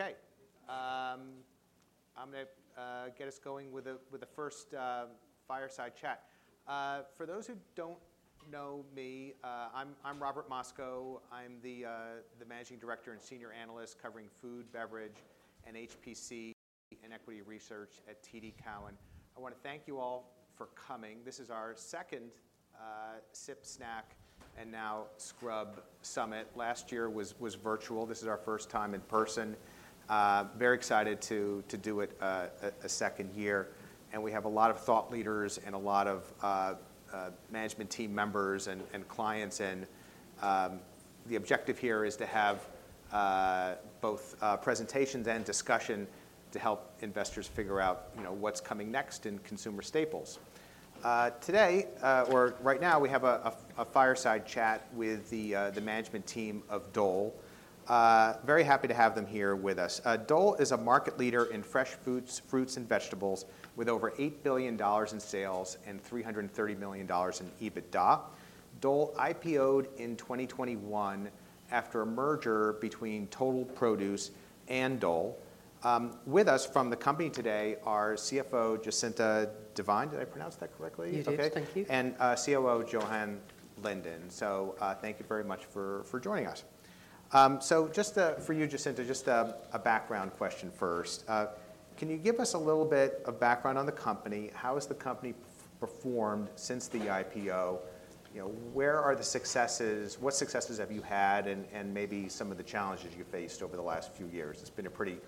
Okay, I'm gonna get us going with the first fireside chat. For those who don't know me, I'm Robert Moskow. I'm the managing director and senior analyst covering food, beverage, and HPC in equity research at TD Cowen. I want to thank you all for coming. This is our second Sip, Snack, and now Scrub Summit. Last year was virtual. This is our first time in person. Very excited to do it a second year, and we have a lot of thought leaders and a lot of management team members and clients in. The objective here is to have both presentations and discussion to help investors figure out, you know, what's coming next in consumer staples. Today, or right now, we have a fireside chat with the management team of Dole. Very happy to have them here with us. Dole is a market leader in fresh foods, fruits, and vegetables, with over $8 billion in sales and $330 million in EBITDA. Dole IPO'd in 2021 after a merger between Total Produce and Dole. With us from the company today are CFO Jacinta Devine. Did I pronounce that correctly? You did. Thank you. COO Johan Lindén. Thank you very much for joining us. For you, Jacinta, a background question first. Can you give us a little bit of background on the company? How has the company performed since the IPO? You know, where are the successes? What successes have you had and maybe some of the challenges you faced over the last few years? It's been a pretty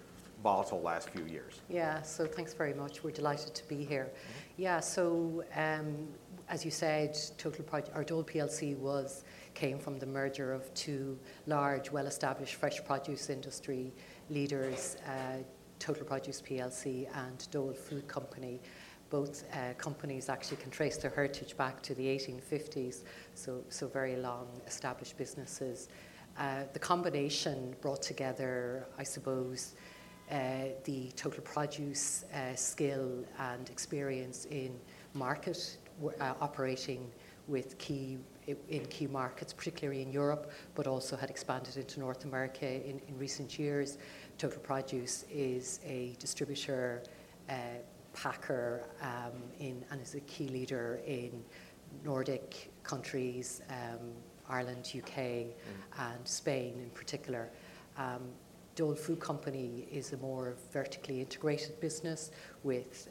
volatile last few years. Yeah. So thanks very much. We're delighted to be here. Yeah, so, as you said, Total Produce—our Dole plc came from the merger of two large, well-established fresh produce industry leaders, Total Produce plc and Dole Food Company. Both companies actually can trace their heritage back to the 1850s, so very long-established businesses. The combination brought together, I suppose, the Total Produce skill and experience in marketing, operating in key markets, particularly in Europe, but also had expanded into North America in recent years. Total Produce is a distributor, packer, and is a key leader in Nordic countries, Ireland, U.K.-... and Spain in particular. Dole Food Company is a more vertically integrated business with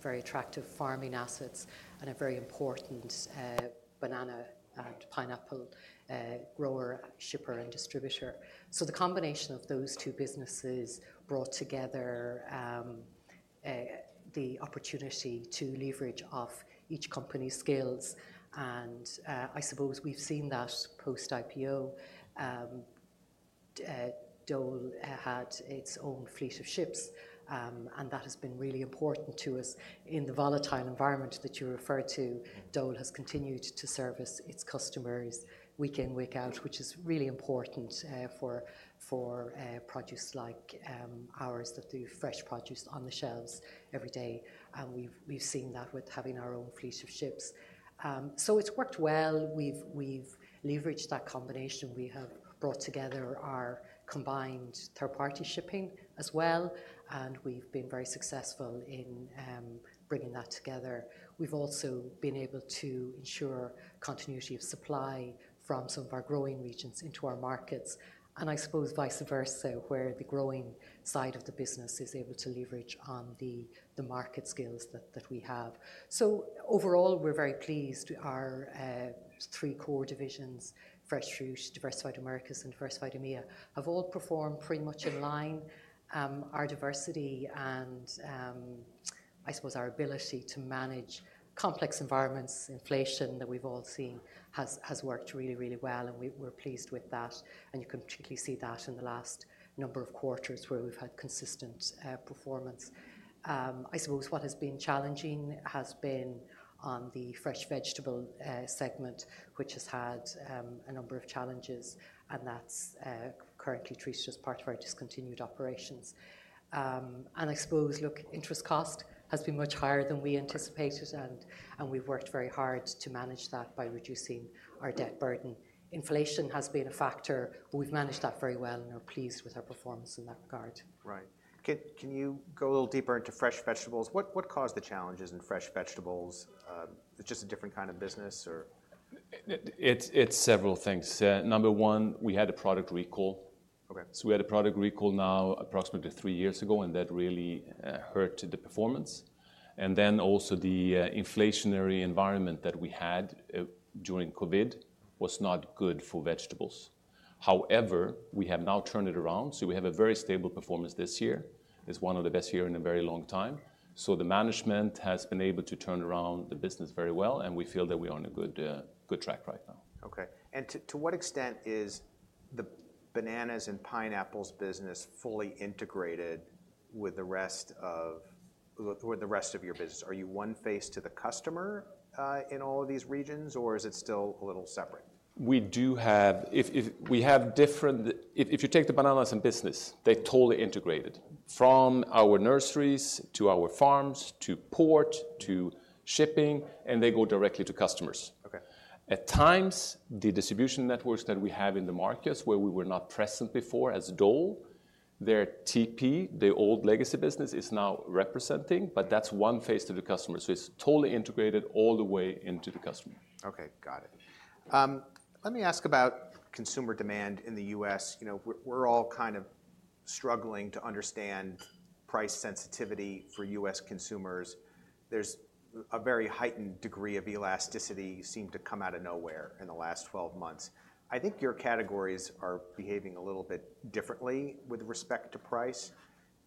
very attractive farming assets and a very important banana and pineapple grower, shipper, and distributor. So the combination of those two businesses brought together the opportunity to leverage off each company's skills, and I suppose we've seen that post-IPO. Dole had its own fleet of ships, and that has been really important to us. In the volatile environment that you referred to-... Dole has continued to service its customers week in, week out, which is really important for produce like ours that do fresh produce on the shelves every day, and we've seen that with having our own fleet of ships, so it's worked well. We've leveraged that combination. We have brought together our combined third-party shipping as well, and we've been very successful in bringing that together. We've also been able to ensure continuity of supply from some of our growing regions into our markets, and I suppose vice versa, where the growing side of the business is able to leverage on the market skills that we have, so overall, we're very pleased. Our three core divisions, Fresh Fruit, Diversified Americas, and Diversified EMEA, have all performed pretty much in line. Our diversity and, I suppose our ability to manage complex environments, inflation that we've all seen, has worked really, really well, and we're pleased with that, and you can particularly see that in the last number of quarters where we've had consistent performance. I suppose what has been challenging has been on the Fresh Vegetables segment, which has had a number of challenges, and that's currently treated as part of our discontinued operations. I suppose, look, interest cost has been much higher than we anticipated, and we've worked very hard to manage that by reducing our debt burden. Inflation has been a factor, but we've managed that very well and are pleased with our performance in that regard. Right. Can you go a little deeper into Fresh Vegetables? What caused the challenges in Fresh Vegetables? It's just a different kind of business or- It's several things. Number one, we had a product recall. So we had a product recall now approximately three years ago, and that really hurt the performance, and then also the inflationary environment that we had during COVID was not good for vegetables. However, we have now turned it around, so we have a very stable performance this year. It's one of the best year in a very long time. So the management has been able to turn around the business very well, and we feel that we are on a good good track right now. Okay, and to what extent is the bananas and pineapples business fully integrated with the rest of your business? Are you one face to the customer in all of these regions, or is it still a little separate? If you take the banana business, they're totally integrated, from our nurseries, to our farms, to port, to shipping, and they go directly to customers. ... at times, the distribution networks that we have in the markets where we were not present before as Dole, their TP, the old legacy business, is now representing, but that's one face to the customer. So it's totally integrated all the way into the customer. Okay, got it. Let me ask about consumer demand in the U.S. You know, we're all kind of struggling to understand price sensitivity for U.S. consumers. There's a very heightened degree of elasticity seemed to come out of nowhere in the last twelve months. I think your categories are behaving a little bit differently with respect to price.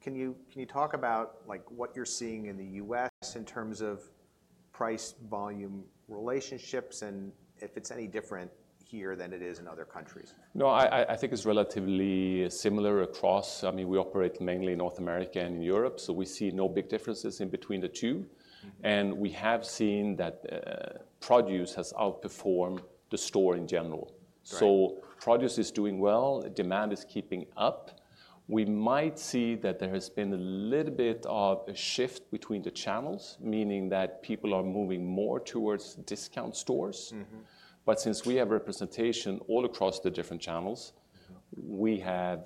Can you talk about, like, what you're seeing in the U.S. in terms of price-volume relationships, and if it's any different here than it is in other countries? No, I think it's relatively similar across... I mean, we operate mainly in North America and in Europe, so we see no big differences in between the two. And we have seen that produce has outperformed the store in general So produce is doing well, demand is keeping up. We might see that there has been a little bit of a shift between the channels, meaning that people are moving more towards discount stores. But since we have representation all across the different channels-... we have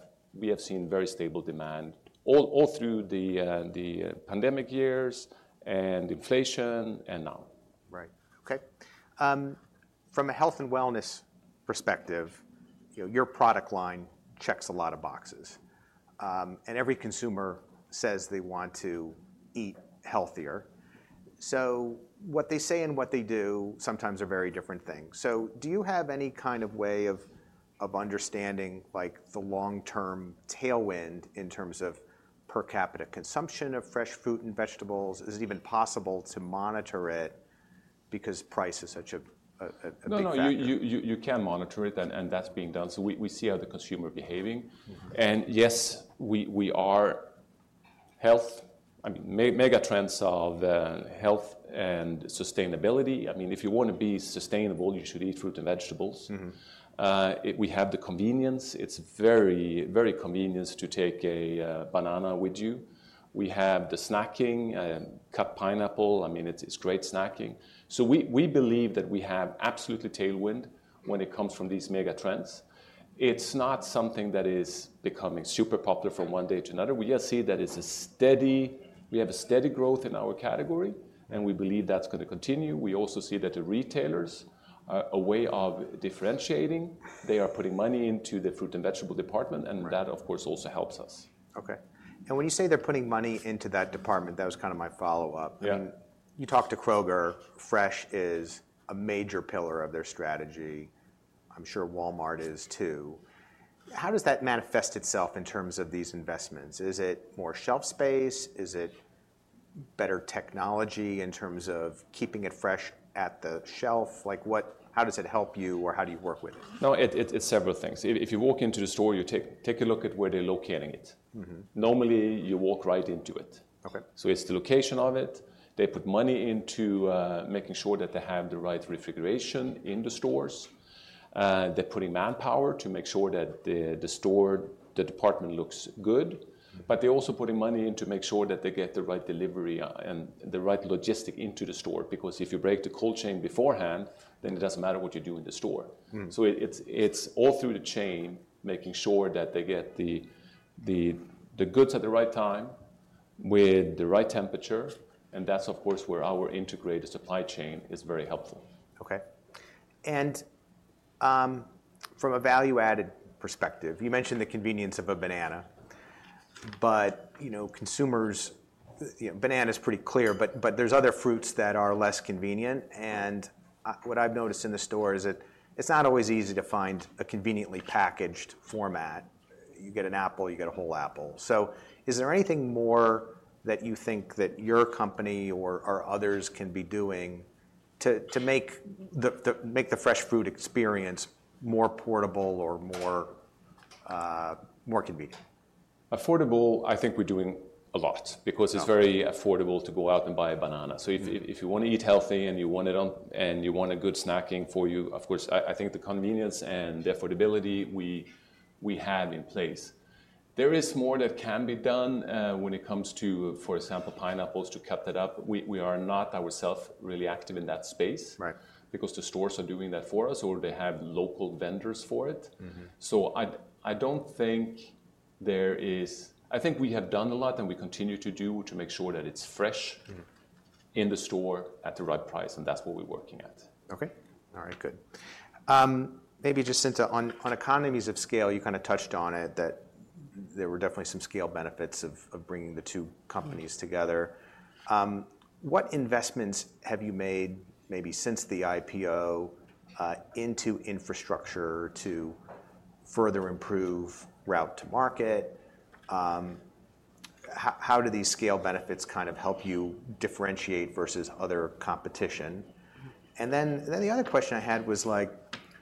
seen very stable demand all through the pandemic years, and inflation, and now. Right. Okay. From a health and wellness perspective, you know, your product line checks a lot of boxes. And every consumer says they want to eat healthier. So what they say and what they do sometimes are very different things. So do you have any kind of way of understanding, like, the long-term tailwind in terms of per capita consumption of fresh fruit and vegetables? Is it even possible to monitor it because price is such a big factor? No, you can monitor it, and that's being done. So we see how the consumer is behaving. Yes, we are, I mean, megatrends of health and sustainability. I mean, if you want to be sustainable, you should eat fruit and vegetables. We have the convenience. It's very, very convenient to take a banana with you. We have the snacking cut pineapple. I mean, it's, it's great snacking. So we, we believe that we have absolutely tailwind when it comes from these megatrends. It's not something that is becoming super popular from one day to another. We just see that it's a steady growth in our category, and we believe that's going to continue. We also see that the retailers a way of differentiating, they are putting money into the fruit and vegetable department-... and that, of course, also helps us. Okay. And when you say they're putting money into that department, that was kind of my follow-up. I mean, you talked to Kroger, fresh is a major pillar of their strategy. I'm sure Walmart is, too. How does that manifest itself in terms of these investments? Is it more shelf space? Is it better technology in terms of keeping it fresh at the shelf? Like, how does it help you, or how do you work with it? No, it, it's several things. If you walk into the store, you take a look at where they're locating it. Normally, you walk right into it. It's the location of it. They put money into making sure that they have the right refrigeration in the stores. They're putting manpower to make sure that the store, the department looks good. But they're also putting money in to make sure that they get the right delivery, and the right logistics into the store. Because if you break the cold chain beforehand, then it doesn't matter what you do in the store. It's all through the chain, making sure that they get the goods at the right time with the right temperature, and that's, of course, where our integrated supply chain is very helpful. Okay. And from a value-added perspective, you mentioned the convenience of a banana, but you know, consumers, banana's pretty clear, but there's other fruits that are less convenient, and what I've noticed in the store is it's not always easy to find a conveniently packaged format. You get an apple, you get a whole apple. So is there anything more that you think that your company or others can be doing to make the fresh food experience more portable or more convenient? Affordable, I think we're doing a lot-... because it's very affordable to go out and buy a banana. So if you want to eat healthy, and you want it on, and you want a good snacking for you, of course, I think the convenience and the affordability, we have in place. There is more that can be done, when it comes to, for example, pineapples, to cut that up. We are not ourselves really active in that space.... because the stores are doing that for us, or they have local vendors for it. I do not think... I think we have done a lot, and we continue to do, to make sure that it's fresh.... in the store at the right price, and that's what we're working at. Okay. All right, good. Maybe just since on economies of scale, you kind of touched on it, that there were definitely some scale benefits of bringing the two companies together. What investments have you made, maybe since the IPO, into infrastructure to further improve route to market? How do these scale benefits kind of help you differentiate versus other competition? And then the other question I had was like,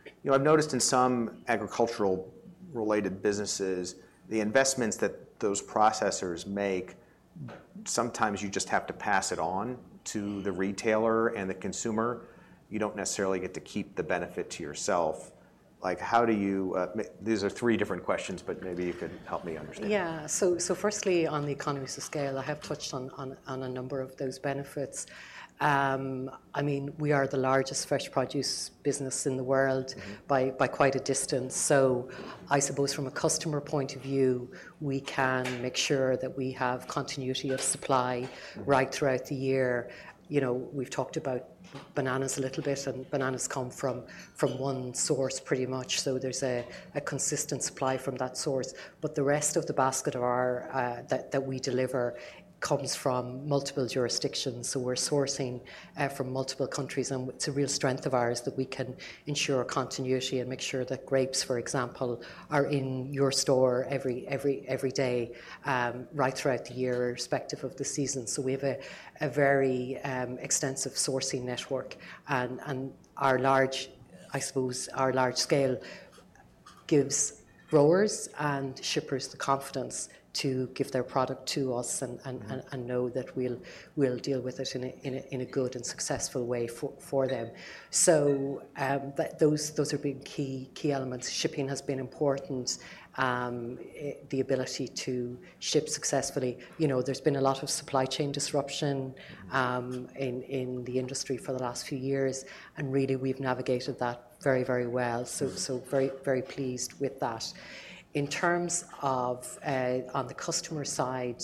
you know, I've noticed in some agricultural-related businesses, the investments that those processors make, sometimes you just have to pass it on to the retailer and the consumer. You don't necessarily get to keep the benefit to yourself. Like, how do you these are three different questions, but maybe you can help me understand. Yeah. So firstly, on the economies of scale, I have touched on a number of those benefits. I mean, we are the largest fresh produce business in the world-... by quite a distance, so I suppose from a customer point of view, we can make sure that we have continuity of supply- right throughout the year. You know, we've talked about bananas a little bit, and bananas come from one source, pretty much, so there's a consistent supply from that source. But the rest of the basket of our that we deliver comes from multiple jurisdictions, so we're sourcing from multiple countries, and it's a real strength of ours that we can ensure continuity and make sure that grapes, for example, are in your store every day, right throughout the year, irrespective of the season. So we have a very extensive sourcing network. And our large, I suppose our large scale gives growers and shippers the confidence to give their product to us- and know that we'll deal with it in a good and successful way for them. So, but those are big key elements. Shipping has been important. The ability to ship successfully. You know, there's been a lot of supply chain disruption in the industry for the last few years, and really, we've navigated that very, very well. So, so very, very pleased with that. In terms of, on the customer side...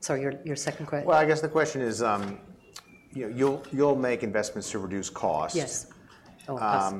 Sorry, your, your second question? I guess the question is, you know, you'll make investments to reduce costs. Yes. Oh, yes.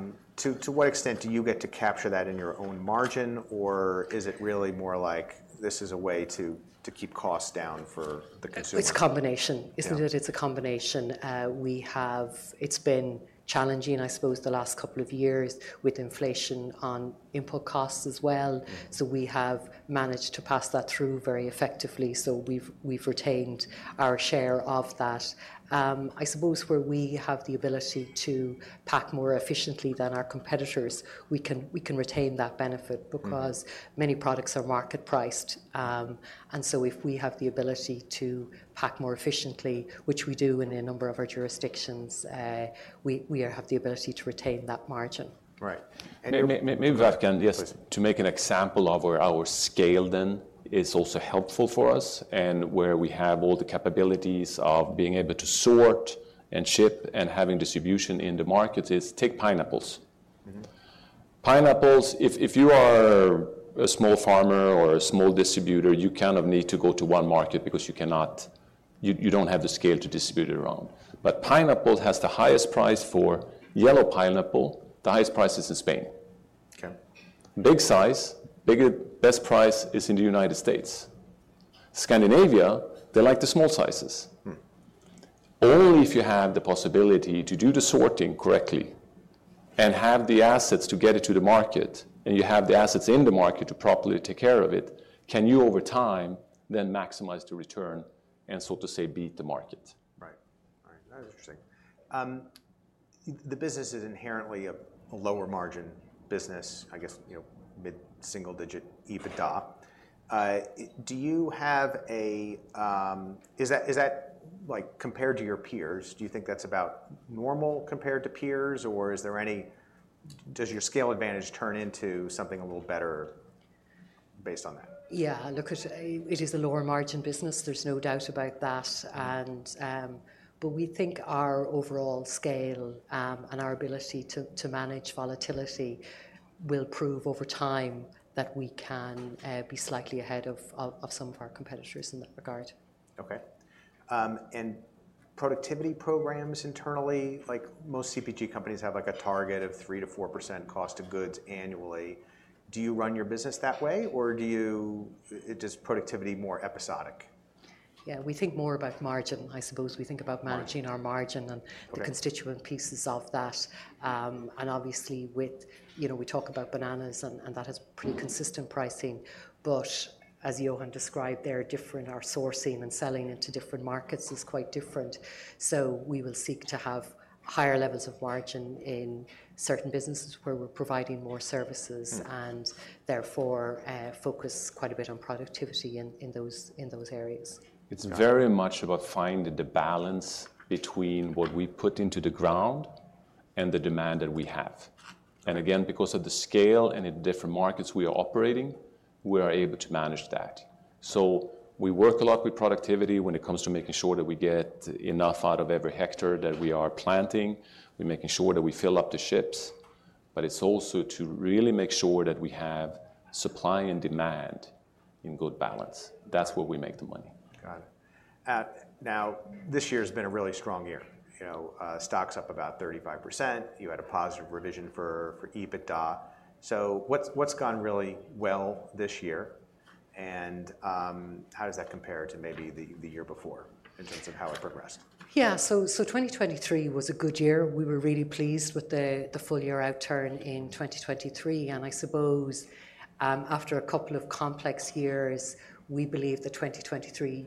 To what extent do you get to capture that in your own margin, or is it really more like this is a way to keep costs down for the consumer? It's a combination, isn't it? Yeah. It's a combination. It's been challenging, I suppose, the last couple of years with inflation on input costs as well. So we have managed to pass that through very effectively. So we've retained our share of that. I suppose where we have the ability to pack more efficiently than our competitors, we can retain that benefit- - because many products are market-priced, and so if we have the ability to pack more efficiently, which we do in a number of our jurisdictions, we have the ability to retain that margin. Right. And- Maybe if I can... Yes, to make an example of where our scale, then, is also helpful for us, and where we have all the capabilities of being able to sort and ship and having distribution in the markets is, take pineapples. Pineapples, if you are a small farmer or a small distributor, you kind of need to go to one market because you cannot... you don't have the scale to distribute it around. But pineapple has the highest price for yellow pineapple, the highest price is in Spain. Okay. Big size, bigger, best price is in the United States. Scandinavia, they like the small sizes. Only if you have the possibility to do the sorting correctly and have the assets to get it to the market, and you have the assets in the market to properly take care of it, can you, over time, then maximize the return and so to say, beat the market. Right. Right, that is interesting. The business is inherently a lower margin business, I guess, you know, mid-single digit EBITDA. Is that, like, compared to your peers, do you think that's about normal compared to peers, or does your scale advantage turn into something a little better based on that? Yeah, look, it is a lower margin business, there's no doubt about that, and, but we think our overall scale and our ability to manage volatility will prove over time that we can be slightly ahead of some of our competitors in that regard. Okay. Productivity programs internally, like most CPG companies, have like a target of 3%-4% cost of goods annually. Do you run your business that way, or do you... is productivity more episodic? Yeah, we think more about margin, I suppose. We think about managing our margin- and the constituent pieces of that. And obviously, with, you know, we talk about bananas, and that has pretty consistent pricing, but as Johan described, they're different. Our sourcing and selling into different markets is quite different. So we will seek to have higher levels of margin in certain businesses where we're providing more services- - and therefore, focus quite a bit on productivity in those areas. It's very much about finding the balance between what we put into the ground and the demand that we have. And again, because of the scale and the different markets we are operating, we are able to manage that. So we work a lot with productivity when it comes to making sure that we get enough out of every hectare that we are planting. We're making sure that we fill up the ships, but it's also to really make sure that we have supply and demand in good balance. That's where we make the money. Got it. Now, this year's been a really strong year. You know, stock's up about 35%. You had a positive revision for EBITDA. So what's gone really well this year?... and, how does that compare to maybe the year before in terms of how it progressed? Yeah, so 2023 was a good year. We were really pleased with the full year outturn in 2023, and I suppose, after a couple of complex years, we believe that 2023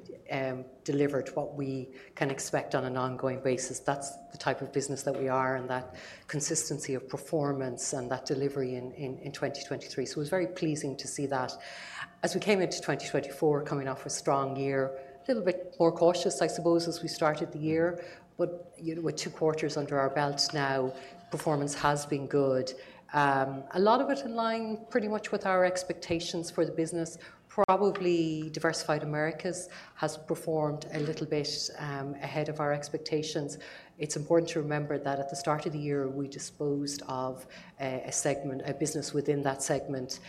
delivered what we can expect on an ongoing basis. That's the type of business that we are, and that consistency of performance and that delivery in 2023. So it was very pleasing to see that. As we came into 2024, coming off a strong year, a little bit more cautious, I suppose, as we started the year, but you know, with two quarters under our belts now, performance has been good. A lot of it in line pretty much with our expectations for the business. Probably Diversified Americas has performed a little bit ahead of our expectations. It's important to remember that at the start of the year, we disposed of a segment, a business within that segment,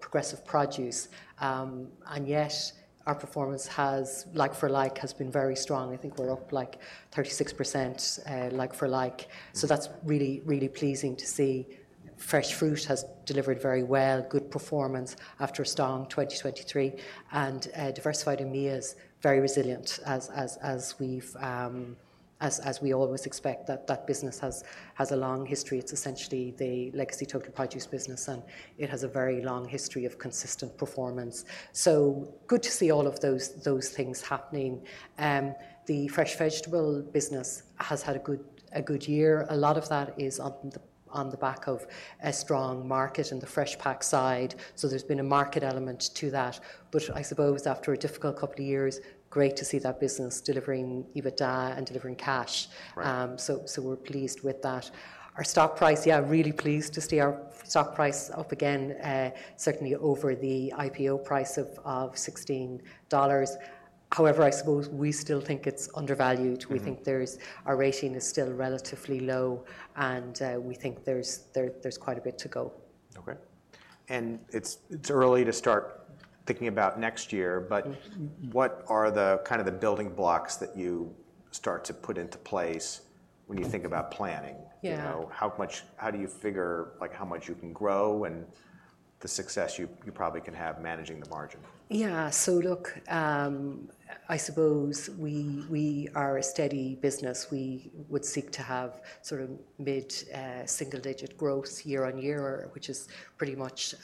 Progressive Produce, and yet our performance has, like for like, has been very strong. I think we're up, like, 36%, like for like. So that's really, really pleasing to see. Fresh fruit has delivered very well, good performance after a strong 2023, and Diversified EMEA is very resilient, as we've, as we always expect. That business has a long history. It's essentially the legacy Total Produce business, and it has a very long history of consistent performance. So good to see all of those things happening. The Fresh Vegetable business has had a good year. A lot of that is on the back of a strong market in the fresh pack side, so there's been a market element to that. But I suppose after a difficult couple of years, great to see that business delivering EBITDA and delivering cash. We're pleased with that. Our stock price, yeah, really pleased to see our stock price up again, certainly over the IPO price of $16. However, I suppose we still think it's undervalued. We think there's. Our rating is still relatively low, and we think there's quite a bit to go. Okay. It's early to start thinking about next year, but- What are the kind of building blocks that you start to put into place when you think about planning? You know, how do you figure, like, how much you can grow and the success you probably can have managing the margin? Yeah. So look, I suppose we are a steady business. We would seek to have sort of mid single-digit growth year on year, which is pretty much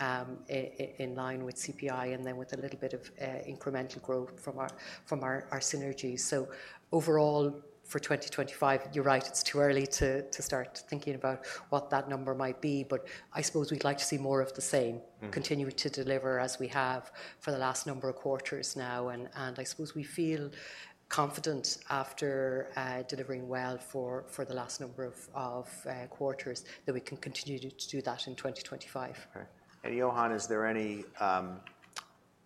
in line with CPI, and then with a little bit of incremental growth from our synergies. So overall, for 2025, you're right, it's too early to start thinking about what that number might be, but I suppose we'd like to see more of the same. Continue to deliver as we have for the last number of quarters now, and I suppose we feel confident after delivering well for the last number of quarters that we can continue to do that in 2025. Right. And Johan, is there any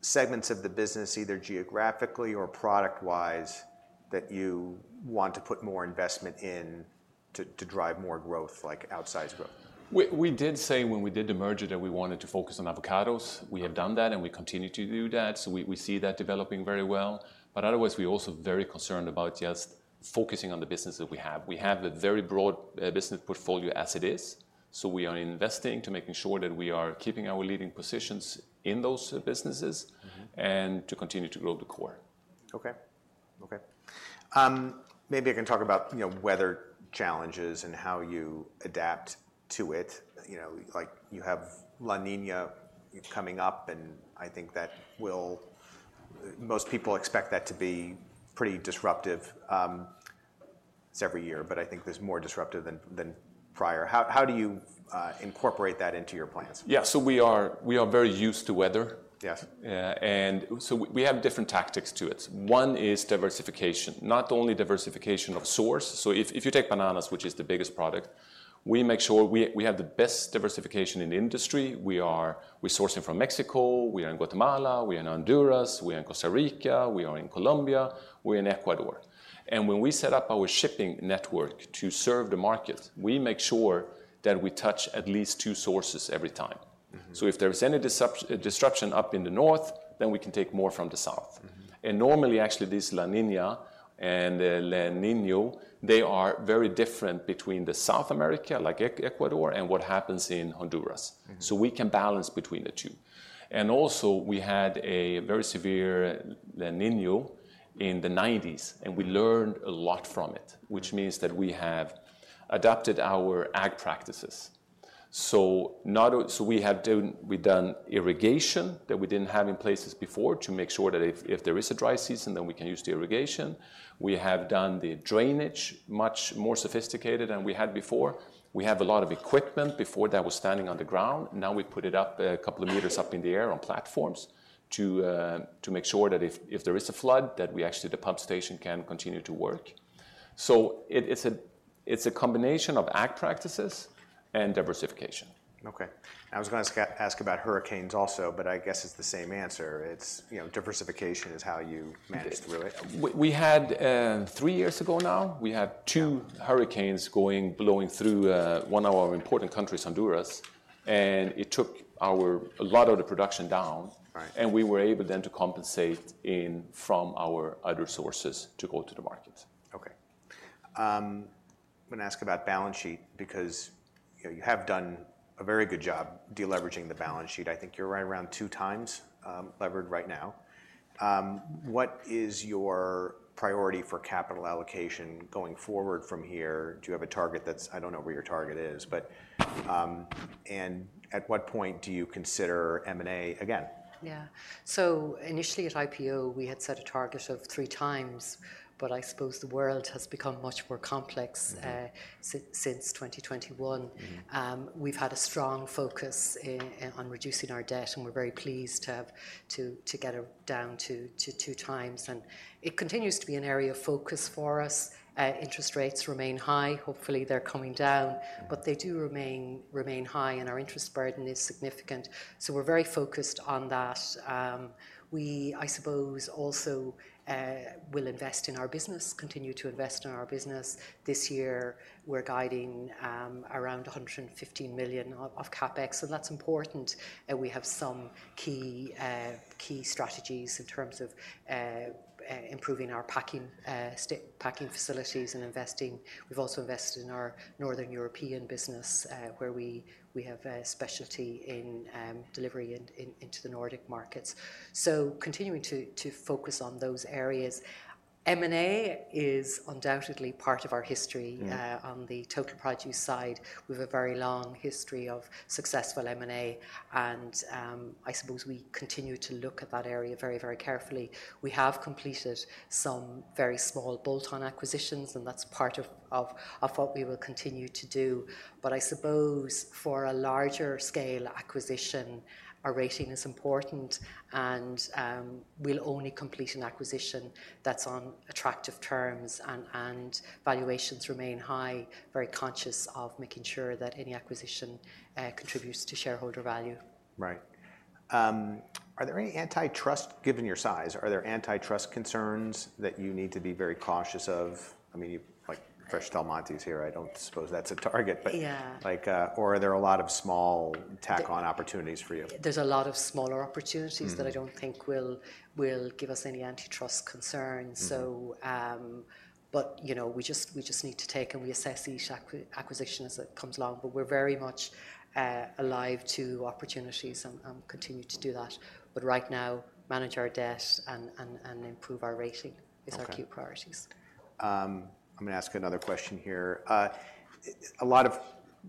segments of the business, either geographically or product-wise, that you want to put more investment in to, to drive more growth, like outsized growth? We did say when we did the merger that we wanted to focus on avocados. We have done that, and we continue to do that. So we see that developing very well. But otherwise, we're also very concerned about just focusing on the business that we have. We have a very broad business portfolio as it is, so we are investing to making sure that we are keeping our leading positions in those businesses. and to continue to grow the core. Okay. Okay. Maybe I can talk about, you know, weather challenges and how you adapt to it. You know, like, you have La Niña coming up, and I think that will... Most people expect that to be pretty disruptive every year, but I think this more disruptive than prior. How do you incorporate that into your plans? Yeah. So we are very used to weather. Yes. And so we have different tactics to it. One is diversification, not only diversification of source, so if you take bananas, which is the biggest product, we make sure we have the best diversification in the industry. We're sourcing from Mexico, we are in Guatemala, we are in Honduras, we are in Costa Rica, we are in Colombia, we're in Ecuador, and when we set up our shipping network to serve the market, we make sure that we touch at least two sources every time. Mm-hmm. So if there is any disruption up in the north, then we can take more from the south. Mm-hmm. Normally, actually, this La Niña and El Niño, they are very different between the South America, like Ecuador, and what happens in Honduras. Mm-hmm. So we can balance between the two. And also, we had a very severe La Niña in the 1990s, and we learned a lot from it. which means that we have adapted our ag practices. So we have done irrigation that we didn't have in places before to make sure that if there is a dry season, then we can use the irrigation. We have done the drainage much more sophisticated than we had before. We have a lot of equipment before that was standing on the ground. Now we put it up, a couple of meters up in the air on platforms, to make sure that if there is a flood, that we actually, the pump station can continue to work. So it's a combination of ag practices and diversification. Okay. I was gonna ask about hurricanes also, but I guess it's the same answer. It's, you know, diversification is how you manage through it. We had three years ago now, we had two- Hurricanes going, blowing through one of our important countries, Honduras, and it took a lot of the production down. Right. We were able then to compensate in from our other sources to go to the market. Okay. I'm gonna ask about balance sheet because, you know, you have done a very good job de-leveraging the balance sheet. I think you're right around two times levered right now. What is your priority for capital allocation going forward from here? Do you have a target that's, I don't know where your target is, but, and at what point do you consider M&A again? Yeah. So initially at IPO, we had set a target of three times, but I suppose the world has become much more complex- since twenty twenty-one. We've had a strong focus on reducing our debt, and we're very pleased to have got it down to two times, and it continues to be an area of focus for us. Interest rates remain high. Hopefully, they're coming down. But they do remain high, and our interest burden is significant. So we're very focused on that. We, I suppose, also will invest in our business, continue to invest in our business. This year, we're guiding around $115 million of CapEx, so that's important, and we have some key strategies in terms of improving our packing facilities and investing. We've also invested in our Northern European business, where we have a specialty in delivery into the Nordic markets. So continuing to focus on those areas. M&A is undoubtedly part of our history. On the Total Produce side, we have a very long history of successful M&A, and I suppose we continue to look at that area very, very carefully. We have completed some very small bolt-on acquisitions, and that's part of what we will continue to do. But I suppose for a larger scale acquisition, our rating is important, and we'll only complete an acquisition that's on attractive terms, and valuations remain high, very conscious of making sure that any acquisition contributes to shareholder value. Right. Given your size, are there antitrust concerns that you need to be very cautious of? I mean, you—like, Fresh Del Monte is here. I don't suppose that's a target, but- Yeah. Like, or are there a lot of small tack-on opportunities for you? There's a lot of smaller opportunities- that I don't think will give us any antitrust concerns. You know, we just need to take, and we assess each acquisition as it comes along, but we're very much alive to opportunities and continue to do that. But right now, manage our debt and improve our rating. Is our key priorities. I'm gonna ask another question here. A lot of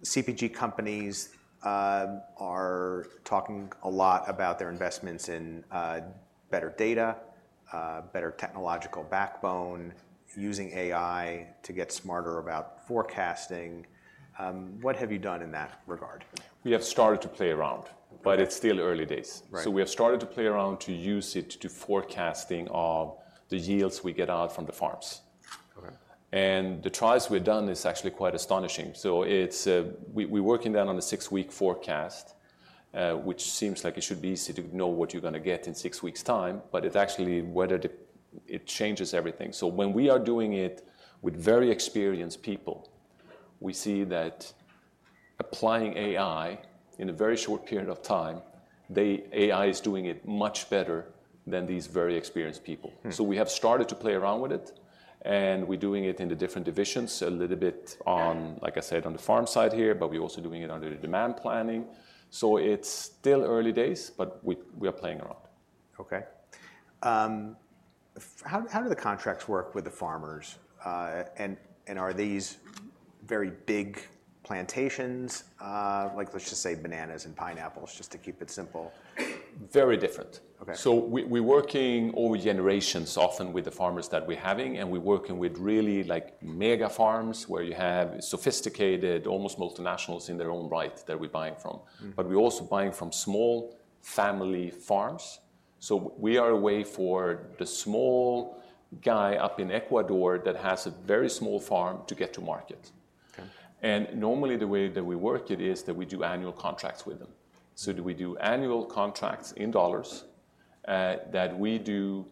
CPG companies are talking a lot about their investments in better data, better technological backbone, using AI to get smarter about forecasting. What have you done in that regard? We have started to play around, but it's still early days. Right. So we have started to play around to use it to do forecasting of the yields we get out from the farms. Okay. The trials we've done is actually quite astonishing. It's. We're working down on a six-week forecast, which seems like it should be easy to know what you're gonna get in six weeks' time, but it actually, whether the it changes everything. When we are doing it with very experienced people, we see that applying AI in a very short period of time, the AI is doing it much better than these very experienced people. So we have started to play around with it, and we're doing it in the different divisions, a little bit on- Like I said, on the farm side here, but we're also doing it under the demand planning. So it's still early days, but we are playing around. Okay. How do the contracts work with the farmers, and are these very big plantations, like, let's just say, bananas and pineapples, just to keep it simple? Very different. Okay. We're working over generations, often with the farmers that we have, and we're working with really, like, mega farms, where you have sophisticated, almost multinationals in their own right, that we're buying from. But we're also buying from small family farms. So we are a way for the small guy up in Ecuador that has a very small farm to get to market. Okay. Normally, the way that we work it is that we do annual contracts with them. So we do annual contracts in dollars that we do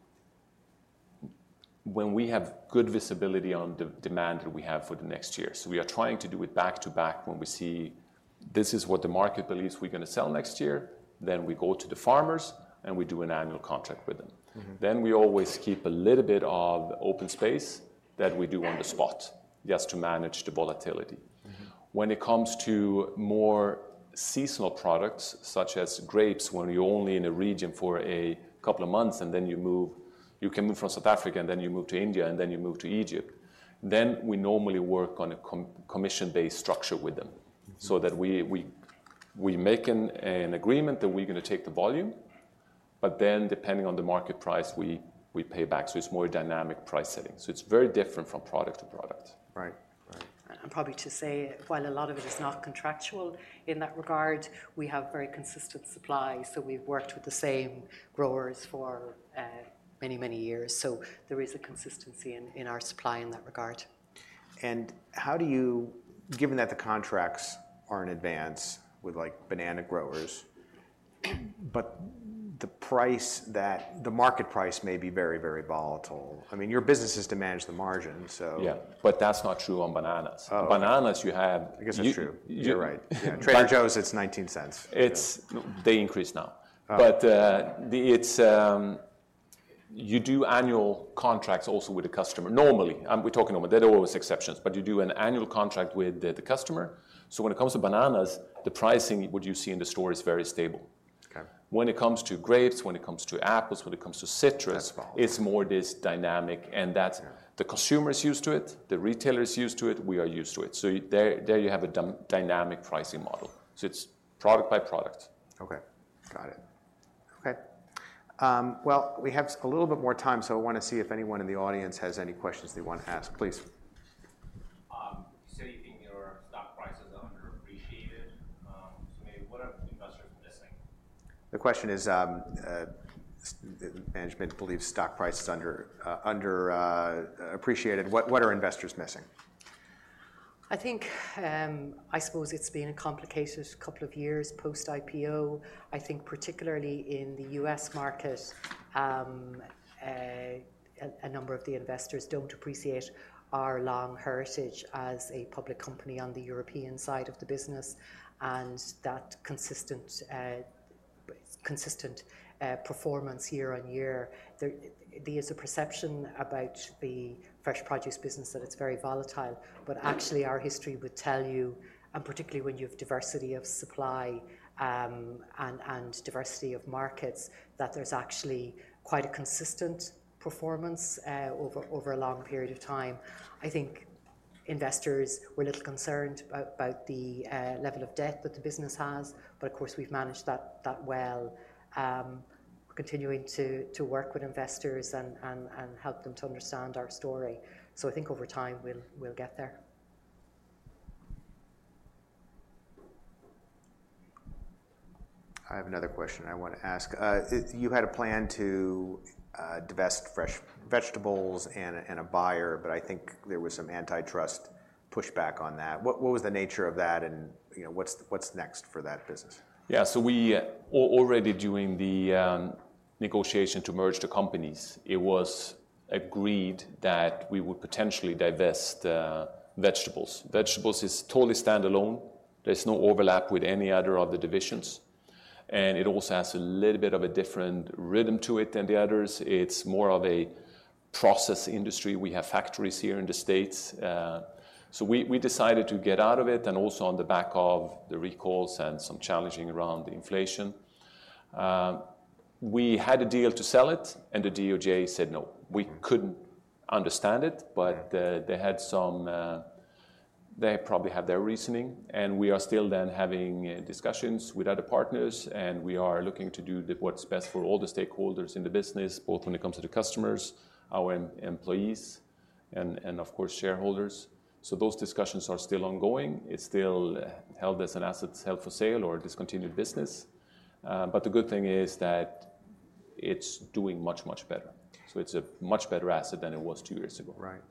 when we have good visibility on the demand that we have for the next year. So we are trying to do it back to back when we see this is what the market believes we're gonna sell next year, then we go to the farmers, and we do an annual contract with them. Mm-hmm. Then we always keep a little bit of open space that we do on the spot, just to manage the volatility. Mm-hmm. When it comes to more seasonal products, such as grapes, when you're only in a region for a couple of months, and then you move... you come in from South Africa, and then you move to India, and then you move to Egypt. Then we normally work on a commission-based structure with them. Mm-hmm. So that we make an agreement that we're gonna take the volume, but then, depending on the market price, we pay back. So it's more dynamic price setting. So it's very different from product to product. Right. Right. Probably to say, while a lot of it is not contractual in that regard, we have very consistent supply, so we've worked with the same growers for many, many years. So there is a consistency in our supply in that regard. How do you, given that the contracts are in advance with, like, banana growers, but the price that... the market price may be very, very volatile. I mean, your business is to manage the margin, so- Yeah, but that's not true on bananas. Oh, okay. Bananas, you have- I guess that's true. You're right. Trader Joe's, it's $0.19. It's... They increase now. You do annual contracts also with the customer. Normally, there are always exceptions, but you do an annual contract with the customer. So when it comes to bananas, the pricing, what you see in the store, is very stable. Okay. When it comes to grapes, when it comes to apples, when it comes to citrus- It's more this dynamic, and that's it. The consumer is used to it, the retailer is used to it, we are used to it. So there you have a dynamic pricing model. So it's product by product. Okay, got it. Okay. Well, we have a little bit more time, so I want to see if anyone in the audience has any questions they want to ask. Please. You say you think your stock price is underappreciated. To me, what are investors missing? The question is, management believes stock price is underappreciated. What are investors missing? I think, I suppose it's been a complicated couple of years post-IPO. I think particularly in the U.S. market, a number of the investors don't appreciate our long heritage as a public company on the European side of the business, and that consistent performance year on year. There is a perception about the fresh produce business, that it's very volatile, but actually, our history would tell you, and particularly when you have diversity of supply, and diversity of markets, that there's actually quite a consistent performance over a long period of time. I think investors were a little concerned about the level of debt that the business has, but of course, we've managed that well. Continuing to work with investors and help them to understand our story. So I think over time, we'll get there. I have another question I want to ask. You had a plan to divest Fresh Vegetables and a buyer, but I think there was some antitrust pushback on that. What was the nature of that, and, you know, what's next for that business? Yeah, so we already during the negotiation to merge the companies, it was agreed that we would potentially divest vegetables. Vegetables is totally standalone. There's no overlap with any other of the divisions, and it also has a little bit of a different rhythm to it than the others. It's more of a process industry. We have factories here in the States. So we decided to get out of it, and also on the back of the recalls and some challenging around inflation. We had a deal to sell it, and the DOJ said, no. We couldn't understand it.... but, they had some, they probably had their reasoning, and we are still then having discussions with other partners, and we are looking to do what's best for all the stakeholders in the business, both when it comes to the customers, our employees, and of course, shareholders. So those discussions are still ongoing. It's still held as an asset held for sale or a discontinued business. But the good thing is that it's doing much, much better. So it's a much better asset than it was two years ago. Right.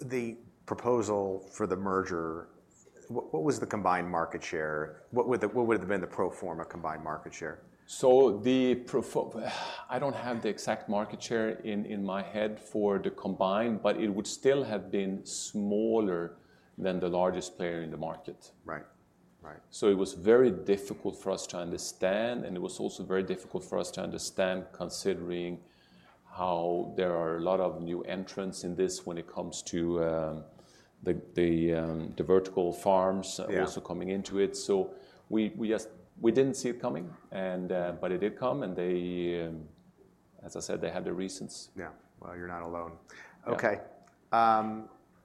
The proposal for the merger, what was the combined market share? What would have been the pro forma combined market share? The pro forma. I don't have the exact market share in my head for the combined, but it would still have been smaller than the largest player in the market. Right. Right. It was very difficult for us to understand, considering how there are a lot of new entrants in this when it comes to the vertical farms.... also coming into it. So we just didn't see it coming, and, but it did come, and they, as I said, they had their reasons. Yeah. Well, you're not alone. Okay,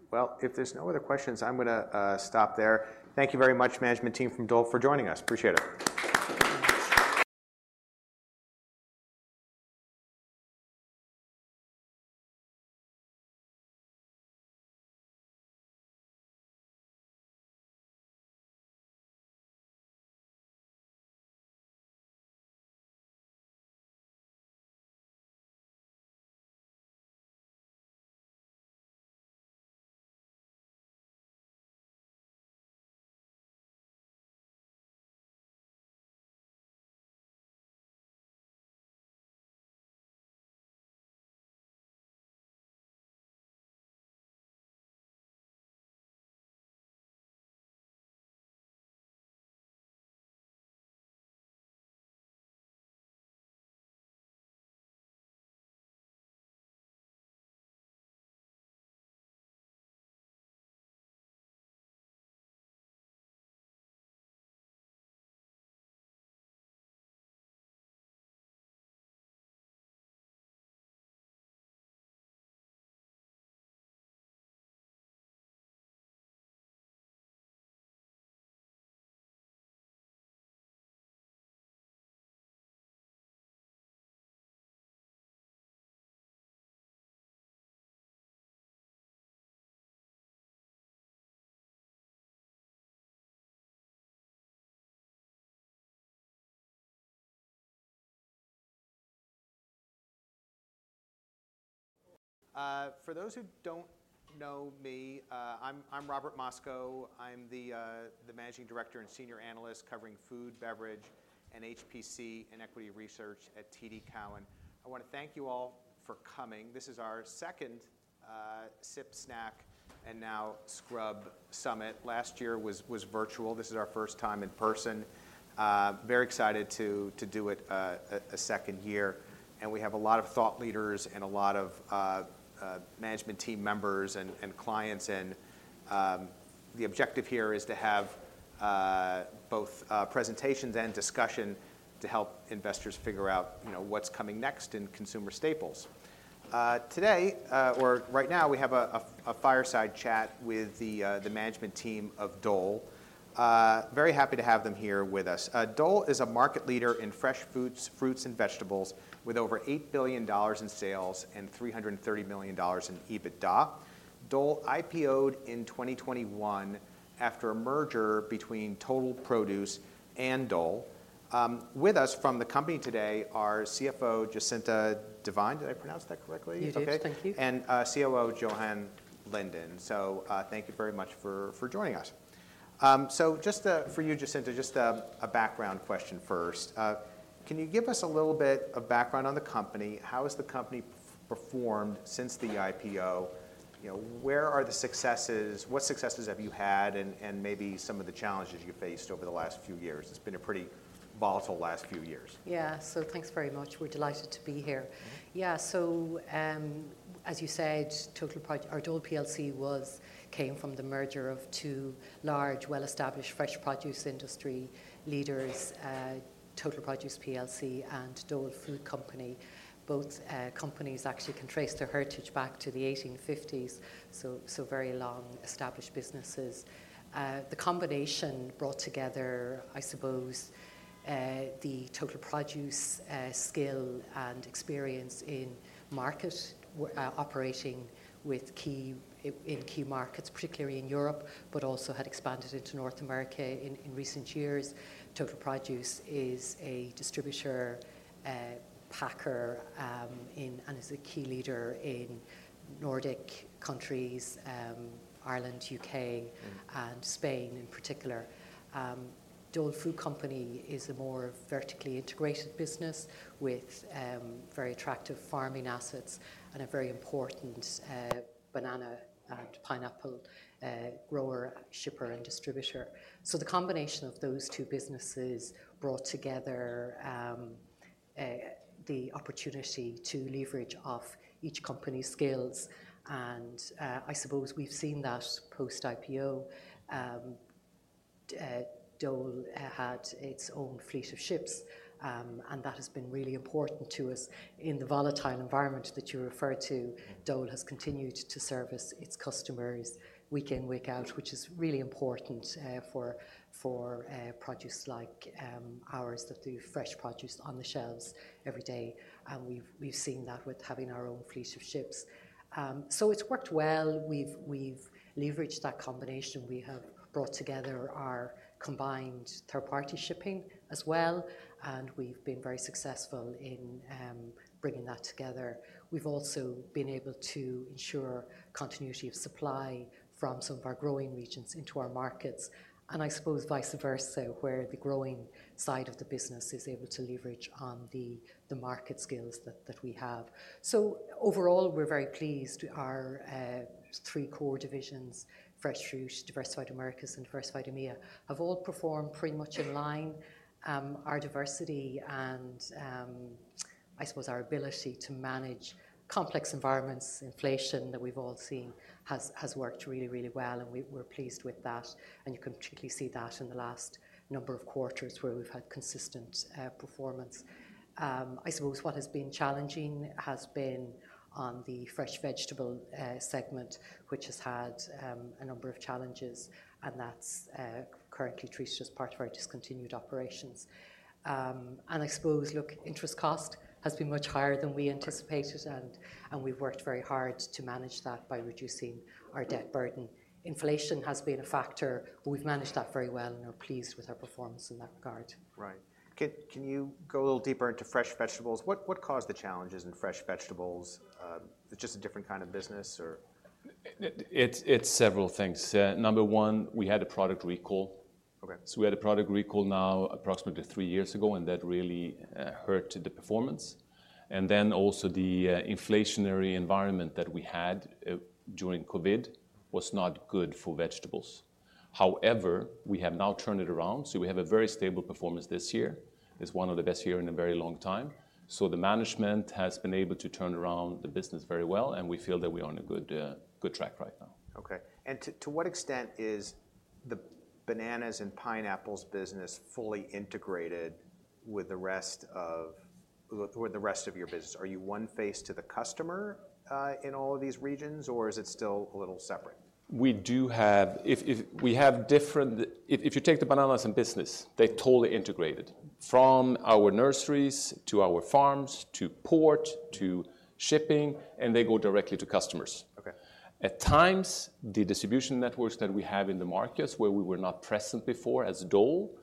well, if there's no other questions, I'm gonna stop there. Thank you very much, management team from Dole, for joining us. Appreciate it. For those who don't know me, I'm Robert Moskow. I'm the managing director and senior analyst covering food, beverage, and HPC in equity research at TD Cowen. I want to thank you all for coming. This is our second Sip, Snack, and now Scrub Summit. Last year was virtual. This is our first time in person. Very excited to do it a second year, and we have a lot of thought leaders and a lot of management team members and clients, and the objective here is to have both presentations and discussion to help investors figure out, you know, what's coming next in consumer staples. Today, or right now, we have a fireside chat with the management team of Dole. Very happy to have them here with us. Dole is a market leader in fresh foods, fruits, and vegetables, with over $8 billion in sales and $330 million in EBITDA. Dole IPO'd in 2021 after a merger between Total Produce and Dole. With us from the company today are CFO Jacinta Devine. Did I pronounce that correctly? You did. Thank you. COO Johan Lindén. So, thank you very much for joining us. So just for you, Jacinta, just a background question first. Can you give us a little bit of background on the company? How has the company performed since the IPO? You know, where are the successes? What successes have you had and maybe some of the challenges you faced over the last few years? It's been a pretty volatile last few years. Yeah. So thanks very much. We're delighted to be here. Yeah, so, as you said, Total Produce, our Dole plc came from the merger of two large, well-established fresh produce industry leaders, Total Produce plc and Dole Food Company. Both companies actually can trace their heritage back to the 1850s, so very long-established businesses. The combination brought together, I suppose, the Total Produce skill and experience in marketing, operating in key markets, particularly in Europe, but also had expanded into North America in recent years. Total Produce is a distributor, a packer, and is a key leader in Nordic countries, Ireland, U.K. - and Spain in particular. Dole Food Company is a more vertically integrated business with very attractive farming assets and a very important banana and pineapple grower, shipper, and distributor. So the combination of those two businesses brought together the opportunity to leverage off each company's skills, and I suppose we've seen that post-IPO. Dole had its own fleet of ships, and that has been really important to us. In the volatile environment that you referred to- Dole has continued to service its customers week in, week out, which is really important for produce like ours, that the fresh produce on the shelves every day, and we've seen that with having our own fleet of ships, so it's worked well. We've leveraged that combination. We have brought together our combined third-party shipping as well, and we've been very successful in bringing that together. We've also been able to ensure continuity of supply from some of our growing regions into our markets, and I suppose vice versa, where the growing side of the business is able to leverage on the market skills that we have, so overall, we're very pleased. Our three core divisions, Fresh Fruit, Diversified Americas, and Diversified EMEA, have all performed pretty much in line. Our diversity and, I suppose our ability to manage complex environments, inflation that we've all seen, has worked really, really well, and we're pleased with that, and you can particularly see that in the last number of quarters, where we've had consistent performance. I suppose what has been challenging has been on the fresh vegetable segment, which has had a number of challenges, and that's currently treated as part of our discontinued operations, and I suppose, look, interest cost has been much higher than we anticipated, and we've worked very hard to manage that by reducing our debt burden. Inflation has been a factor, but we've managed that very well and are pleased with our performance in that regard. Right. Can you go a little deeper into Fresh Vegetables? What caused the challenges in Fresh Vegetables? Just a different kind of business or... It's several things. Number one, we had a product recall. Okay. So we had a product recall now approximately three years ago, and that really hurt the performance, and then also the inflationary environment that we had during COVID was not good for vegetables. However, we have now turned it around, so we have a very stable performance this year. It's one of the best year in a very long time. So the management has been able to turn around the business very well, and we feel that we are on a good track right now. Okay, and to what extent is the bananas and pineapples business fully integrated with the rest of your business? Are you one face to the customer, in all of these regions, or is it still a little separate? We do have. If you take the bananas in business, they're totally integrated, from our nurseries to our farms, to port, to shipping, and they go directly to customers. Okay. At times, the distribution networks that we have in the markets where we were not present before as Dole,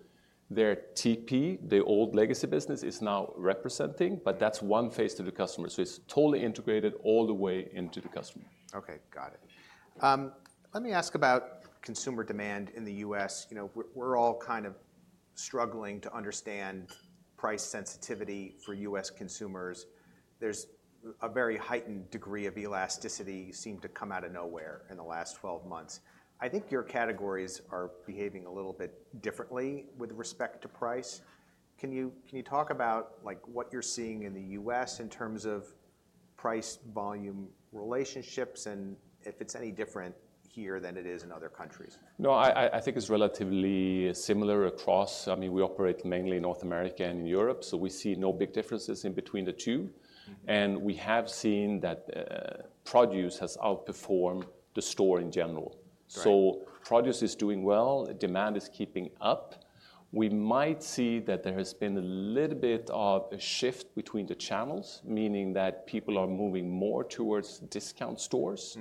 their TP, the old legacy business, is now representing, but that's one face to the customer. So it's totally integrated all the way into the customer. Okay, got it. Let me ask about consumer demand in the U.S. You know, we're all kind of struggling to understand price sensitivity for U.S. consumers. There's a very heightened degree of elasticity seemed to come out of nowhere in the last twelve months. I think your categories are behaving a little bit differently with respect to price. Can you talk about, like, what you're seeing in the U.S. in terms of price volume relationships, and if it's any different here than it is in other countries? No, I think it's relatively similar across, I mean, we operate mainly in North America and in Europe, so we see no big differences in between the two. And we have seen that produce has outperformed the store in general. So produce is doing well, demand is keeping up. We might see that there has been a little bit of a shift between the channels, meaning that people are moving more towards discount stores.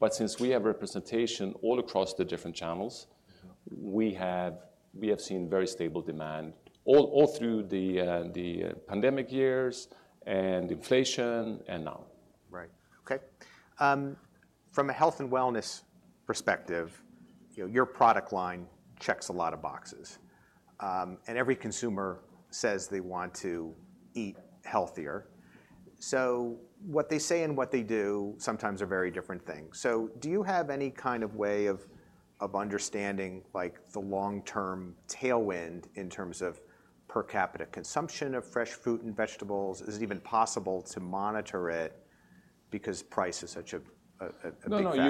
But since we have representation all across the different channels-... we have seen very stable demand all through the pandemic years, and inflation, and now. Right. Okay. From a health and wellness perspective, you know, your product line checks a lot of boxes. And every consumer says they want to eat healthier. So what they say and what they do sometimes are very different things. So do you have any kind of way of understanding, like, the long-term tailwind in terms of per capita consumption of fresh fruit and vegetables? Is it even possible to monitor it because price is such a big factor? No,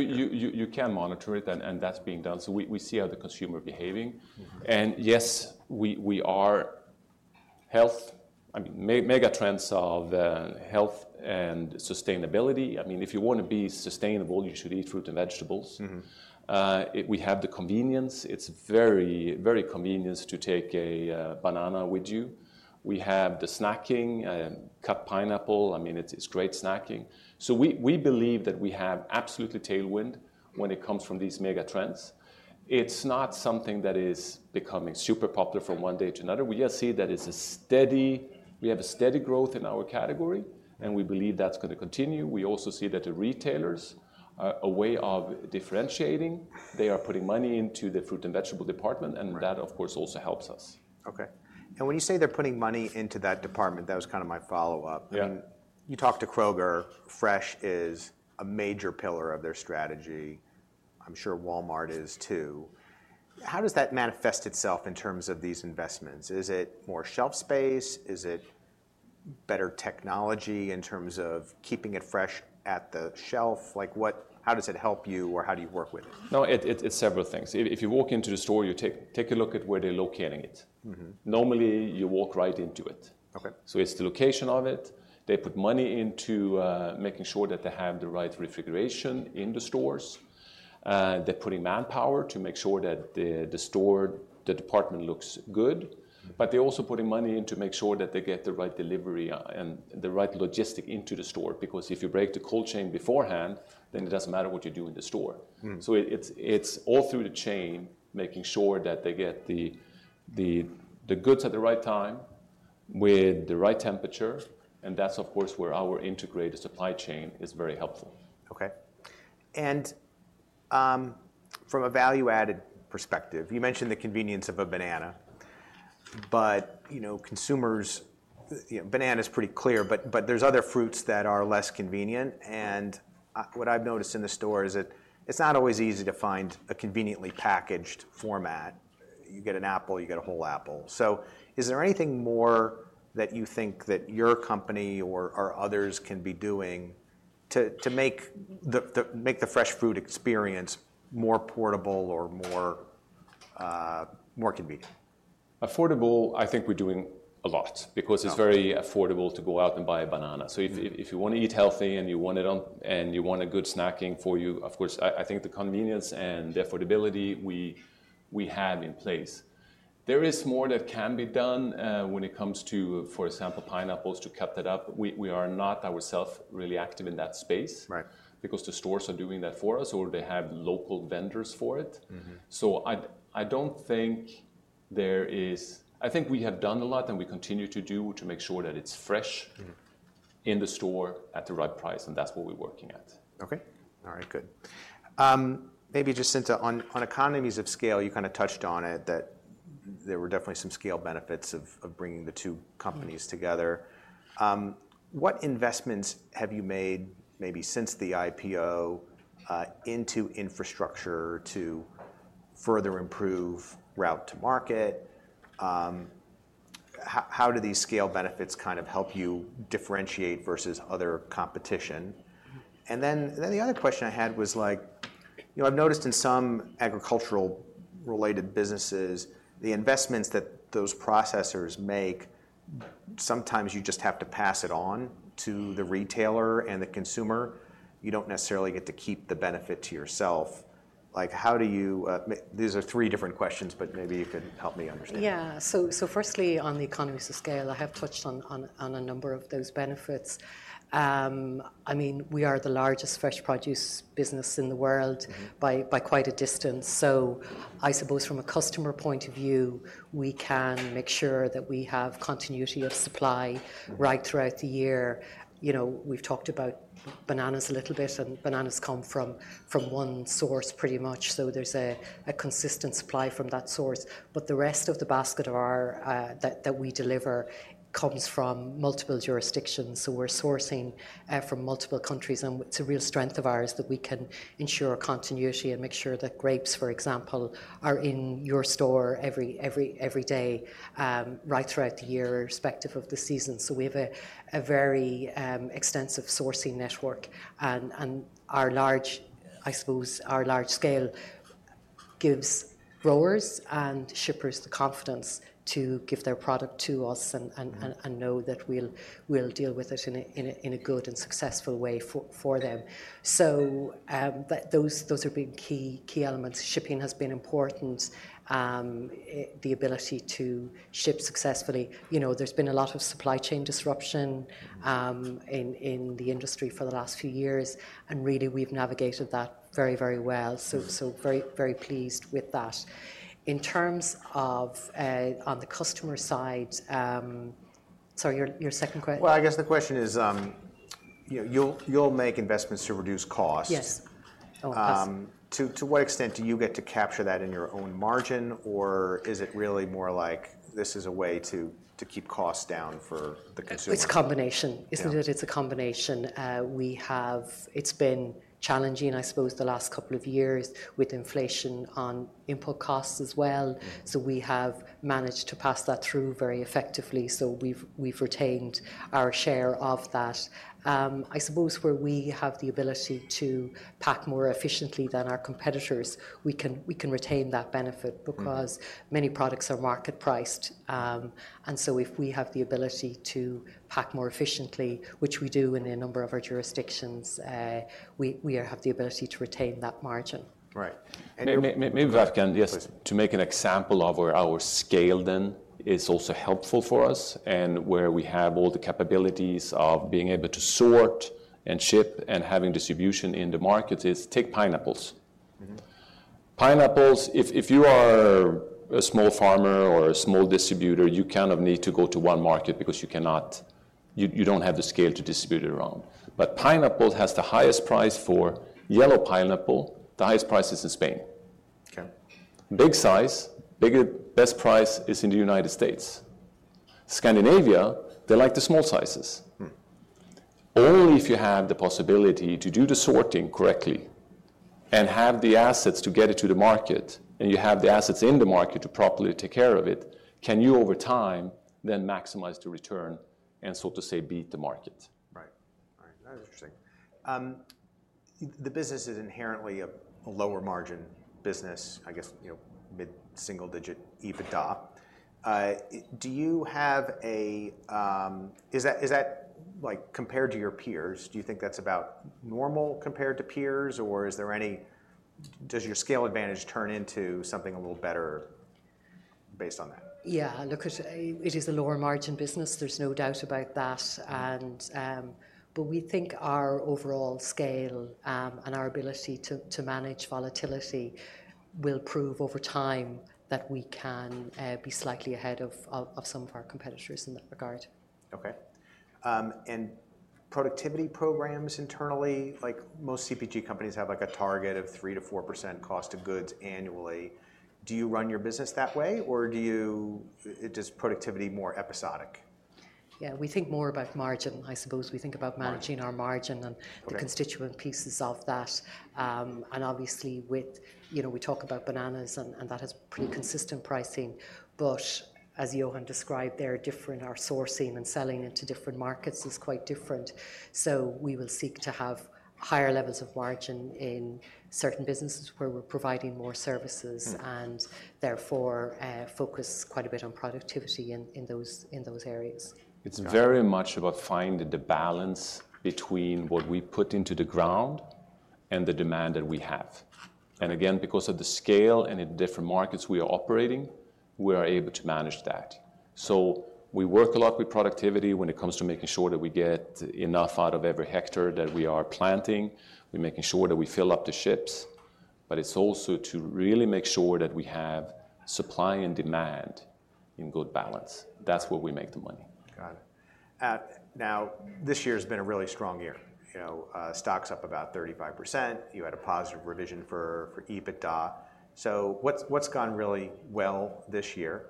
you can monitor it, and that's being done so we see how the consumer is behaving. Yes, we are mega trends of health and sustainability. I mean, if you want to be sustainable, you should eat fruit and vegetables. We have the convenience. It's very, very convenient to take a banana with you. We have the snacking cut pineapple. I mean, it's great snacking. So we believe that we have absolutely tailwind when it comes from these mega trends. It's not something that is becoming super popular from one day to another. We just see that it's a steady. We have a steady growth in our category, and we believe that's going to continue. We also see that the retailers a way of differentiating, they are putting money into the fruit and vegetable department.... and that, of course, also helps us. Okay. And when you say they're putting money into that department, that was kind of my follow-up. I mean, you talked to Kroger, fresh is a major pillar of their strategy. I'm sure Walmart is, too. How does that manifest itself in terms of these investments? Is it more shelf space? Is it better technology in terms of keeping it fresh at the shelf? Like, how does it help you, or how do you work with it? No, it's several things. If you walk into the store, you take a look at where they're locating it. Mm-hmm. Normally, you walk right into it. Okay. It's the location of it. They put money into making sure that they have the right refrigeration in the stores. They're putting manpower to make sure that the store, the department looks good. But they're also putting money in to make sure that they get the right delivery, and the right logistics into the store. Because if you break the cold chain beforehand, then it doesn't matter what you do in the store. It's all through the chain, making sure that they get the goods at the right time, with the right temperature, and that's of course where our integrated supply chain is very helpful. Okay. And, from a value-added perspective, you mentioned the convenience of a banana, but, you know, consumers, you know, banana is pretty clear, but, but there's other fruits that are less convenient, and, what I've noticed in the store is it, it's not always easy to find a conveniently packaged format. You get an apple, you get a whole apple. So is there anything more that you think that your company or, or others can be doing to make the fresh food experience more portable or more, more convenient? Affordable, I think we're doing a lot-... because it's very affordable to go out and buy a banana. If you want to eat healthy and you want it on, and you want a good snacking for you, of course, I think the convenience and the affordability we have in place. There is more that can be done when it comes to, for example, pineapples, to cut that up. We are not ourselves really active in that space.... because the stores are doing that for us, or they have local vendors for it. I think we have done a lot, and we continue to do, to make sure that it's fresh.... in the store at the right price, and that's what we're working at. Okay. All right, good. Maybe just since on economies of scale, you kind of touched on it, that there were definitely some scale benefits of bringing the two companies together. What investments have you made, maybe since the IPO, into infrastructure to further improve route to market? How do these scale benefits kind of help you differentiate versus other competition? And then the other question I had was like, you know, I've noticed in some agricultural-related businesses, the investments that those processors make, sometimes you just have to pass it on to the retailer and the consumer. You don't necessarily get to keep the benefit to yourself. Like, how do you, these are three different questions, but maybe you can help me understand. Yeah. So firstly, on the economies of scale, I have touched on a number of those benefits. I mean, we are the largest fresh produce business in the world-... by quite a distance. So I suppose from a customer point of view, we can make sure that we have continuity of supply-... right throughout the year. You know, we've talked about bananas a little bit, and bananas come from one source, pretty much, so there's a consistent supply from that source. But the rest of the basket of our that we deliver comes from multiple jurisdictions. So we're sourcing from multiple countries, and it's a real strength of ours that we can ensure continuity and make sure that grapes, for example, are in your store every day, right throughout the year, respective of the season. So we have a very extensive sourcing network, and our large, I suppose, our large scale gives growers and shippers the confidence to give their product to us and know that we'll deal with it in a good and successful way for them. So, but those are big key elements. Shipping has been important. The ability to ship successfully. You know, there's been a lot of supply chain disruption in the industry for the last few years, and really, we've navigated that very, very well. So very, very pleased with that. In terms of on the customer side. Sorry, your second question? I guess the question is, you know, you'll make investments to reduce costs. Yes. Yes. To what extent do you get to capture that in your own margin, or is it really more like this is a way to keep costs down for the consumer? It's a combination, isn't it? Yeah. It's a combination. It's been challenging, I suppose, the last couple of years with inflation on input costs as well. So we have managed to pass that through very effectively. So we've retained our share of that. I suppose where we have the ability to pack more efficiently than our competitors, we can retain that benefit-... because many products are market priced and so if we have the ability to pack more efficiently, which we do in a number of our jurisdictions, we have the ability to retain that margin. Right. And- Maybe if I can just- Please. To make an example of where our scale, then, is also helpful for us, and where we have all the capabilities of being able to sort and ship and having distribution in the markets is, take pineapples. Mm-hmm. Pineapples, if you are a small farmer or a small distributor, you kind of need to go to one market because you cannot... You don't have the scale to distribute it around. But pineapple has the highest price for yellow pineapple. The highest price is in Spain. Okay. Big size, bigger, best price is in the United States. Scandinavia, they like the small sizes. Mm. Only if you have the possibility to do the sorting correctly and have the assets to get it to the market, and you have the assets in the market to properly take care of it, can you, over time, then maximize the return and, so to say, beat the market. Right. Right, that is interesting. The business is inherently a lower margin business, I guess, you know, mid-single digit EBITDA. Do you have a... Is that, like, compared to your peers, do you think that's about normal compared to peers, or does your scale advantage turn into something a little better based on that? Yeah, look, it is a lower margin business. There's no doubt about that, and, but we think our overall scale and our ability to manage volatility will prove over time that we can be slightly ahead of some of our competitors in that regard. Okay, and productivity programs internally, like most CPG companies, have, like, a target of 3%-4% cost of goods annually. Do you run your business that way, or do you- is productivity more episodic? Yeah, we think more about margin, I suppose. We think about managing-... our margin and-... the constituent pieces of that. And obviously, with, you know, we talk about bananas, and that has pretty consistent pricing, but as Johan described, they're different. Our sourcing and selling into different markets is quite different. So we will seek to have higher levels of margin in certain businesses where we're providing more services-... and therefore, focus quite a bit on productivity in those areas. It's very much about finding the balance between what we put into the ground and the demand that we have. And again, because of the scale and the different markets we are operating, we are able to manage that. So we work a lot with productivity when it comes to making sure that we get enough out of every hectare that we are planting. We're making sure that we fill up the ships, but it's also to really make sure that we have supply and demand in good balance. That's where we make the money. Got it. Now, this year's been a really strong year. You know, stock's up about 35%. You had a positive revision for EBITDA. So what's gone really well this year,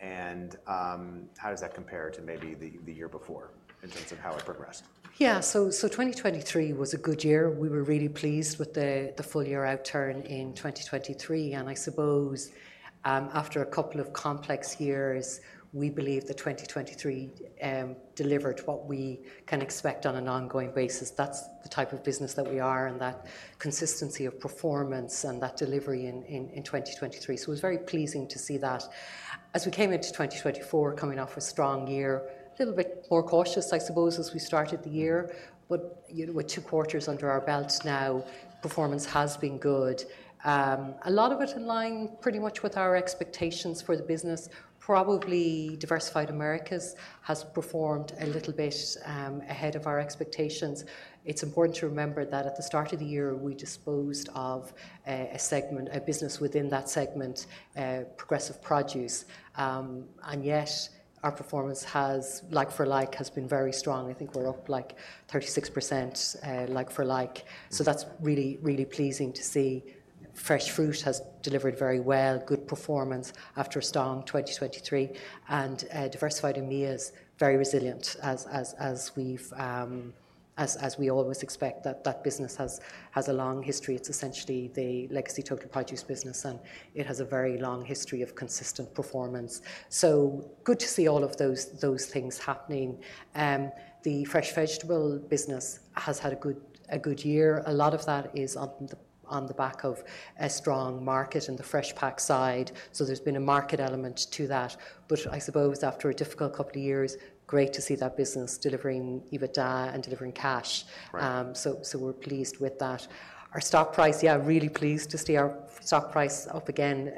and how does that compare to maybe the year before in terms of how it progressed? Yeah. So 2023 was a good year. We were really pleased with the full year outturn in 2023, and I suppose, after a couple of complex years, we believe that 2023 delivered what we can expect on an ongoing basis. That's the type of business that we are and that consistency of performance and that delivery in 2023. So it's very pleasing to see that. As we came into 2024, coming off a strong year, a little bit more cautious, I suppose, as we started the year, but you know, with two quarters under our belt now, performance has been good. A lot of it in line pretty much with our expectations for the business. Probably Diversified Americas has performed a little bit ahead of our expectations. It's important to remember that at the start of the year, we disposed of a segment, a business within that segment, Progressive Produce, and yet our performance has, like for like, been very strong. I think we're up, like, 36%, like for like. So that's really pleasing to see. Fresh Fruit has delivered very well, good performance after a strong 2023, and Diversified EMEA is very resilient as we've, as we always expect. That business has a long history. It's essentially the legacy Total Produce business, and it has a very long history of consistent performance. So good to see all of those things happening. The fresh vegetable business has had a good year. A lot of that is on the p-... On the back of a strong market in the fresh pack side, so there's been a market element to that. But I suppose after a difficult couple of years, great to see that business delivering EBITDA and delivering cash. We're pleased with that. Our stock price, yeah, really pleased to see our stock price up again,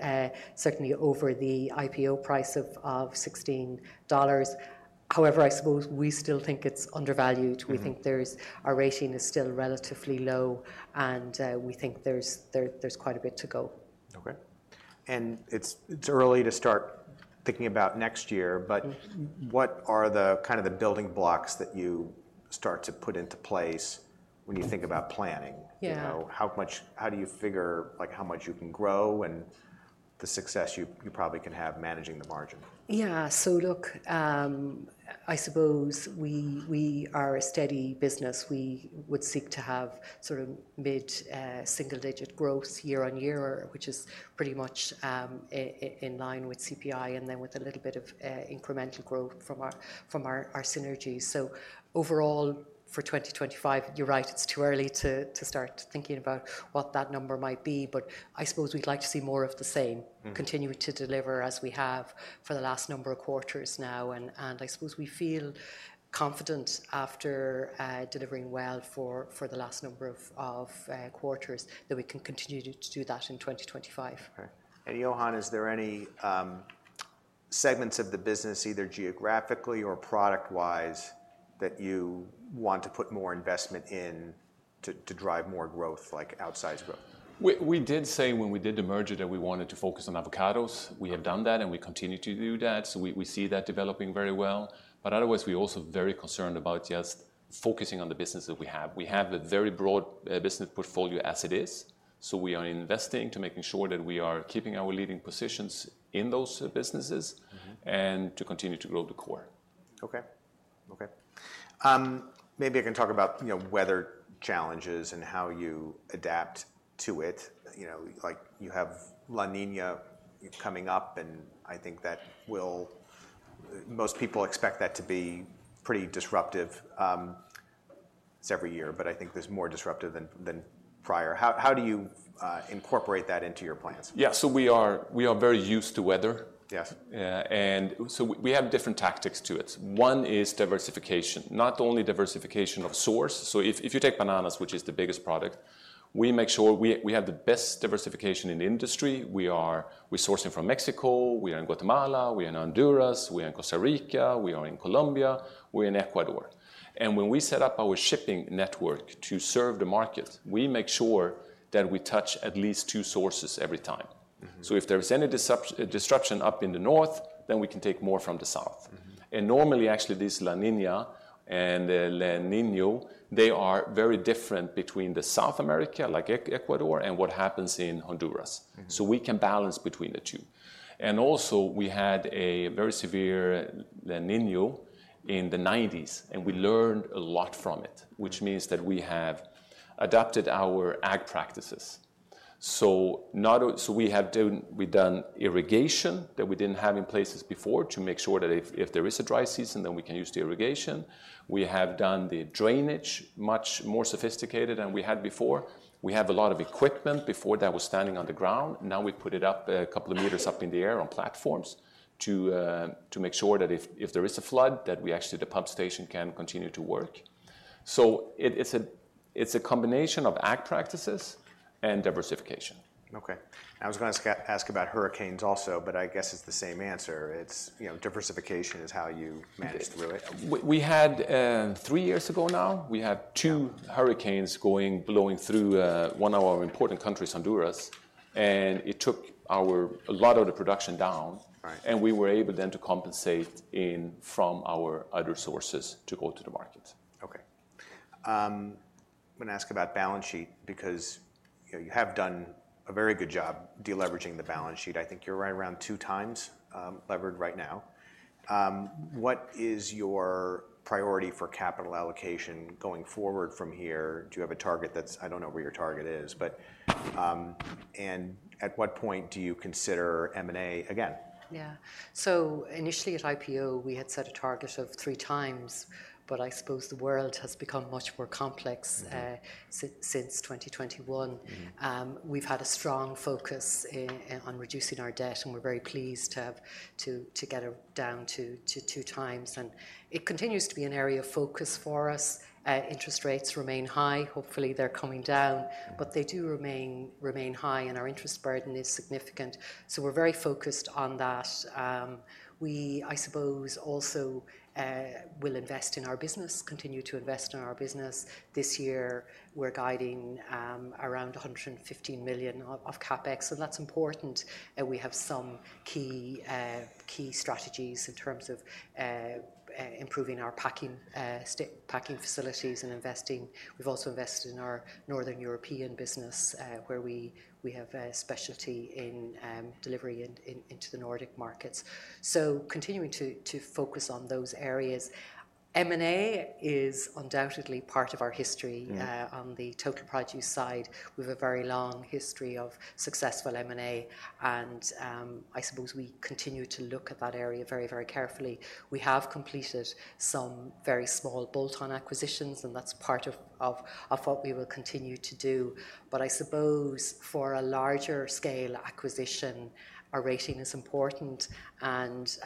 certainly over the IPO price of $16. However, I suppose we still think it's undervalued. We think our rating is still relatively low, and we think there's quite a bit to go. Okay. And it's, it's early to start thinking about next year, but-... what are the kind of building blocks that you start to put into place when you think about planning? Yeah. You know, how do you figure, like, how much you can grow and the success you probably can have managing the margin? Yeah. So look, I suppose we are a steady business. We would seek to have sort of mid single-digit growth year on year, which is pretty much in line with CPI, and then with a little bit of incremental growth from our synergies. So overall, for 2025, you're right, it's too early to start thinking about what that number might be, but I suppose we'd like to see more of the same. Continue to deliver as we have for the last number of quarters now, and I suppose we feel confident after delivering well for the last number of quarters that we can continue to do that in 2025. Right. And Johan, is there any segments of the business, either geographically or product-wise, that you want to put more investment in to, to drive more growth, like outsized growth? We did say when we did the merger that we wanted to focus on avocados. We have done that, and we continue to do that. So we see that developing very well. But otherwise, we're also very concerned about just focusing on the business that we have. We have a very broad business portfolio as it is, so we are investing to making sure that we are keeping our leading positions in those businesses.... and to continue to grow the core. Okay. Okay. Maybe I can talk about, you know, weather challenges and how you adapt to it. You know, like, you have La Niña coming up, and I think that will... Most people expect that to be pretty disruptive every year, but I think this more disruptive than prior. How do you incorporate that into your plans? Yeah, so we are very used to weather. Yes. And so we have different tactics to it. One is diversification, not only diversification of source. So if you take bananas, which is the biggest product, we make sure we have the best diversification in the industry. We are sourcing from Mexico, we are in Guatemala, we are in Honduras, we are in Costa Rica, we are in Colombia, we're in Ecuador. And when we set up our shipping network to serve the market, we make sure that we touch at least two sources every time. So if there is any disruption up in the north, then we can take more from the south. Normally, actually, this La Niña and El Niño, they are very different between South America, like Ecuador, and what happens in Honduras. We can balance between the two. And also, we had a very severe La Niña in the nineties, and we learned a lot from it, which means that we have adapted our ag practices. So we have done, we've done irrigation that we didn't have in places before to make sure that if there is a dry season, then we can use the irrigation. We have done the drainage much more sophisticated than we had before. We have a lot of equipment before that was standing on the ground. Now we put it up, a couple of meters up in the air on platforms, to make sure that if there is a flood, that we actually, the pump station can continue to work. So it's a combination of ag practices and diversification. Okay. I was gonna ask about hurricanes also, but I guess it's the same answer. It's, you know, diversification is how you manage through it. We had three years ago now, we had two-... hurricanes going, blowing through one of our important countries, Honduras, and it took a lot of our production down. We were able then to compensate in from our other sources to go to the market. Okay. I'm gonna ask about balance sheet, because, you know, you have done a very good job de-leveraging the balance sheet. I think you're right around two times levered right now. What is your priority for capital allocation going forward from here? Do you have a target that's... I don't know what your target is, but, and at what point do you consider M&A again? Yeah. So initially at IPO, we had set a target of three times, but I suppose the world has become much more complex-... since 2021. We've had a strong focus on reducing our debt, and we're very pleased to get it down to two times. It continues to be an area of focus for us. Interest rates remain high. Hopefully, they're coming down, but they do remain high, and our interest burden is significant, so we're very focused on that. We, I suppose, also will invest in our business, continue to invest in our business. This year, we're guiding around $115 million of CapEx, so that's important. We have some key strategies in terms of improving our packing facilities and investing. We've also invested in our northern European business, where we have a specialty in delivery into the Nordic markets. So continuing to focus on those areas, M&A is undoubtedly part of our history. On the total produce side, we have a very long history of successful M&A, and I suppose we continue to look at that area very, very carefully. We have completed some very small bolt-on acquisitions, and that's part of what we will continue to do, but I suppose for a larger scale acquisition, our rating is important, and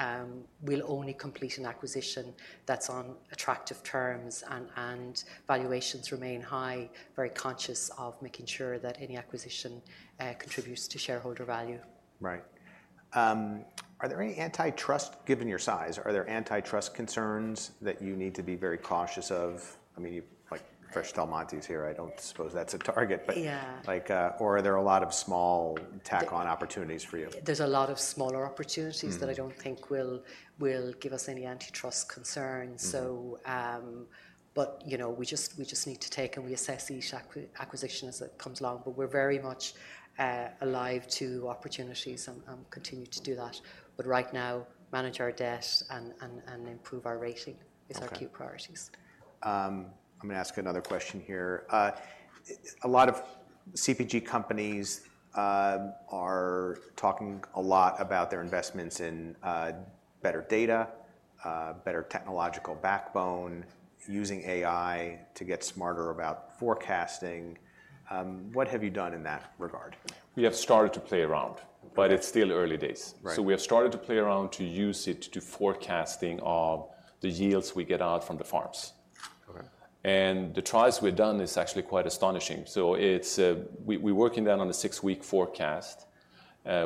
we'll only complete an acquisition that's on attractive terms, and valuations remain high, very conscious of making sure that any acquisition contributes to shareholder value. Right. Are there any antitrust, given your size, are there antitrust concerns that you need to be very cautious of? I mean, you, like, Fresh Del Monte is here. I don't suppose that's a target, but- Like, or are there a lot of small tack on opportunities for you? There's a lot of smaller opportunities-... that I don't think will give us any antitrust concerns. You know, we just need to take, and we assess each acquisition as it comes along. But we're very much alive to opportunities and continue to do that. But right now, manage our debt and improve our rating.... is our key priorities. I'm gonna ask another question here. A lot of CPG companies are talking a lot about their investments in better data, better technological backbone, using AI to get smarter about forecasting. What have you done in that regard? We have started to play around-... but it's still early days. So we have started to play around to use it to do forecasting of the yields we get out from the farms. Okay. The trials we've done is actually quite astonishing. We're working then on a six-week forecast,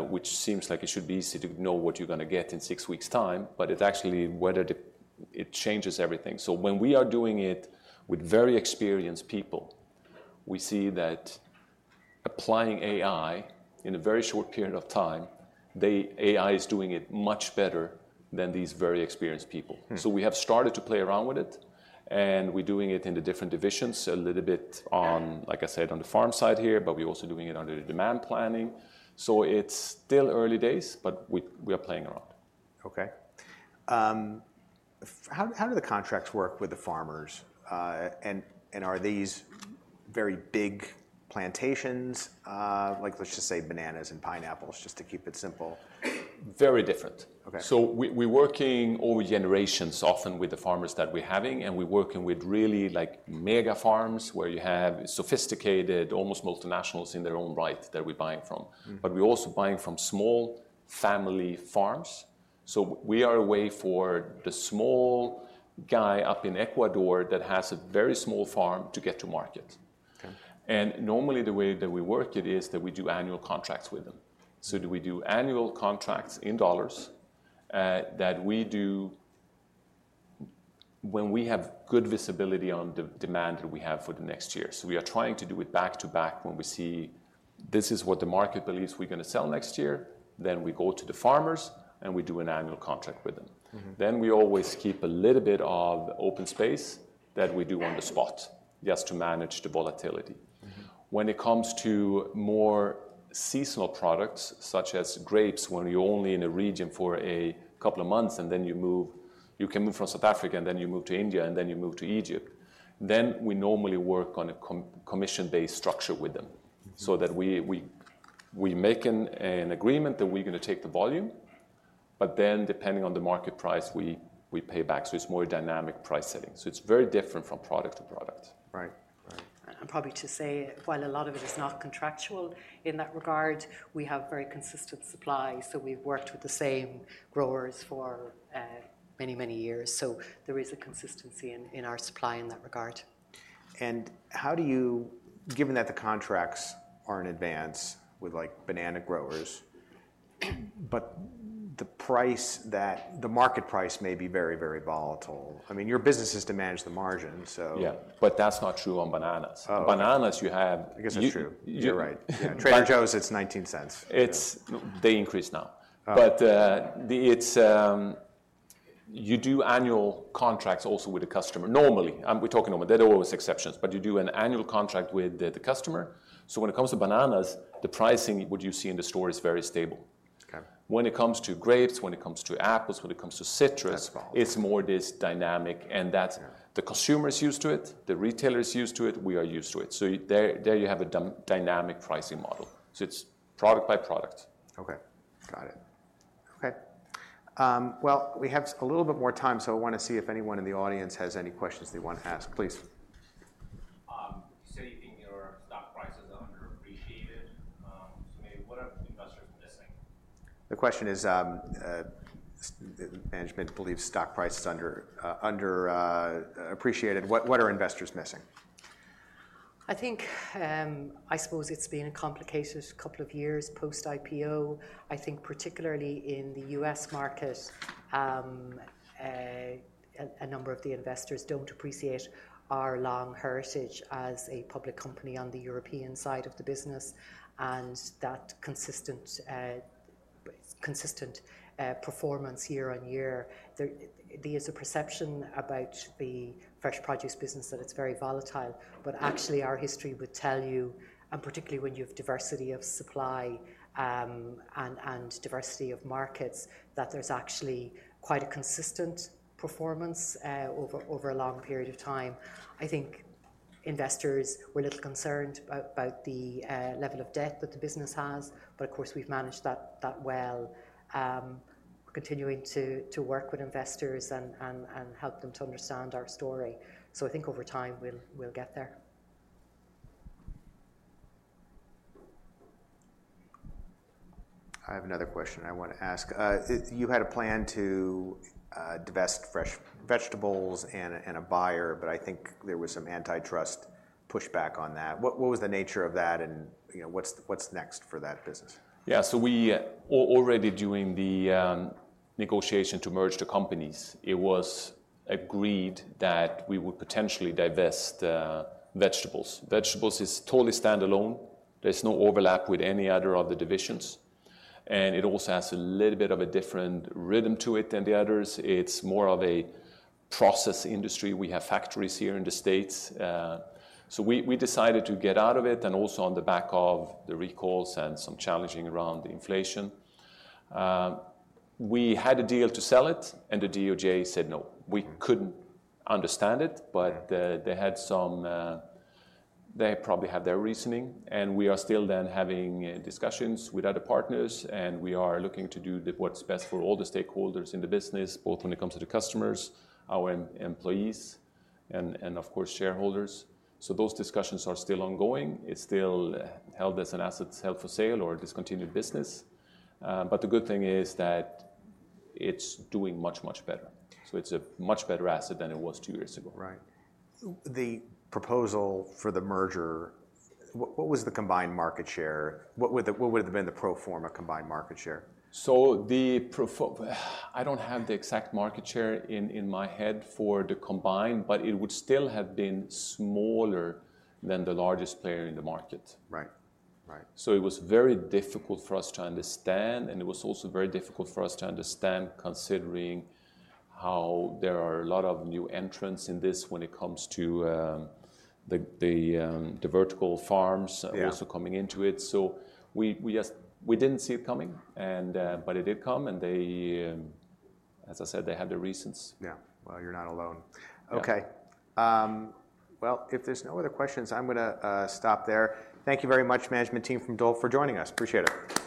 which seems like it should be easy to know what you're gonna get in six weeks' time, but it's actually weather. It changes everything. When we are doing it with very experienced people, we see that applying AI in a very short period of time, the AI is doing it much better than these very experienced people. So we have started to play around with it, and we're doing it in the different divisions, a little bit on-... like I said, on the farm side here, but we're also doing it under the demand planning, so it's still early days, but we are playing around. Okay. How do the contracts work with the farmers? And are these very big plantations, like, let's just say, bananas and pineapples, just to keep it simple? Very different. Okay. So we're working over generations, often with the farmers that we're having, and we're working with really, like, mega farms, where you have sophisticated, almost multinationals in their own right, that we're buying from. But we're also buying from small family farms. So we are a way for the small guy up in Ecuador that has a very small farm to get to market. Okay. Normally, the way that we work it is that we do annual contracts with them. We do annual contracts in dollars, that we do when we have good visibility on the demand that we have for the next year. We are trying to do it back to back when we see this is what the market believes we're gonna sell next year, then we go to the farmers, and we do an annual contract with them. Mm-hmm. We always keep a little bit of open space that we do on the spot, just to manage the volatility. Mm-hmm. When it comes to more seasonal products, such as grapes, when you're only in a region for a couple of months, and then you move, you come in from South Africa, and then you move to India, and then you move to Egypt, then we normally work on a commission-based structure with them. So that we make an agreement that we're gonna take the volume, but then, depending on the market price, we pay back. So it's more dynamic price setting, so it's very different from product to product. Right. Right. Probably to say, while a lot of it is not contractual in that regard, we have very consistent supply, so we've worked with the same growers for many, many years. So there is a consistency in our supply in that regard. How do you, given that the contracts are in advance with, like, banana growers, but the price that, the market price may be very, very volatile? I mean, your business is to manage the margin, so. Yeah, but that's not true on bananas. Bananas, you have- I guess that's true. You're right. Yeah. Trader Joe's, it's $0.19. They increase now. But, it's you do annual contracts also with the customer. Normally, and we're talking normal, there are always exceptions, but you do an annual contract with the customer. So, when it comes to bananas, the pricing, what you see in the store, is very stable. Okay. When it comes to grapes, when it comes to apples, when it comes to citrus.... it's more this dynamic, and that's-... the consumer is used to it, the retailer is used to it, we are used to it. So there you have a dynamic pricing model. So it's product by product. Okay, got it. Okay. Well, we have a little bit more time, so I want to see if anyone in the audience has any questions they want to ask. Please. So you think your stock price is underappreciated. To me, what are investors missing? The question is, management believes stock price is underappreciated. What are investors missing? I think, I suppose it's been a complicated couple of years post-IPO. I think particularly in the U.S. market, a number of the investors don't appreciate our long heritage as a public company on the European side of the business, and that consistent performance year on year. There's a perception about the fresh produce business that it's very volatile, but actually, our history would tell you, and particularly when you have diversity of supply, and diversity of markets, that there's actually quite a consistent performance over a long period of time. I think investors were a little concerned about the level of debt that the business has, but of course, we've managed that well. Continuing to work with investors and help them to understand our story. So I think over time, we'll get there. I have another question I want to ask. You had a plan to divest Fresh Vegetables and a buyer, but I think there was some antitrust pushback on that. What was the nature of that, and, you know, what's next for that business? Yeah, so we already during the negotiation to merge the companies, it was agreed that we would potentially divest vegetables. Vegetables is totally standalone. There's no overlap with any other of the divisions, and it also has a little bit of a different rhythm to it than the others. It's more of a process industry. We have factories here in the States. So we decided to get out of it, and also on the back of the recalls and some challenging around inflation. We had a deal to sell it, and the DOJ said, no. We couldn't understand it- But they probably had their reasoning, and we are still having discussions with other partners, and we are looking to do what's best for all the stakeholders in the business, both when it comes to the customers, our employees, and of course, shareholders. So those discussions are still ongoing. It's still held as an asset held for sale or a discontinued business. But the good thing is that it's doing much, much better. So it's a much better asset than it was two years ago. Right. The proposal for the merger, what was the combined market share? What would have been the pro forma combined market share? pro forma market share, I don't have the exact one in my head for the combined, but it would still have been smaller than the largest player in the market. Right. Right. So it was very difficult for us to understand, considering how there are a lot of new entrants in this when it comes to the vertical farms. also coming into it. So we just didn't see it coming, and but it did come, and they, as I said, they had their reasons. Yeah. Well, you're not alone. Okay. Well, if there's no other questions, I'm gonna stop there. Thank you very much, management team from Dole, for joining us. Appreciate it.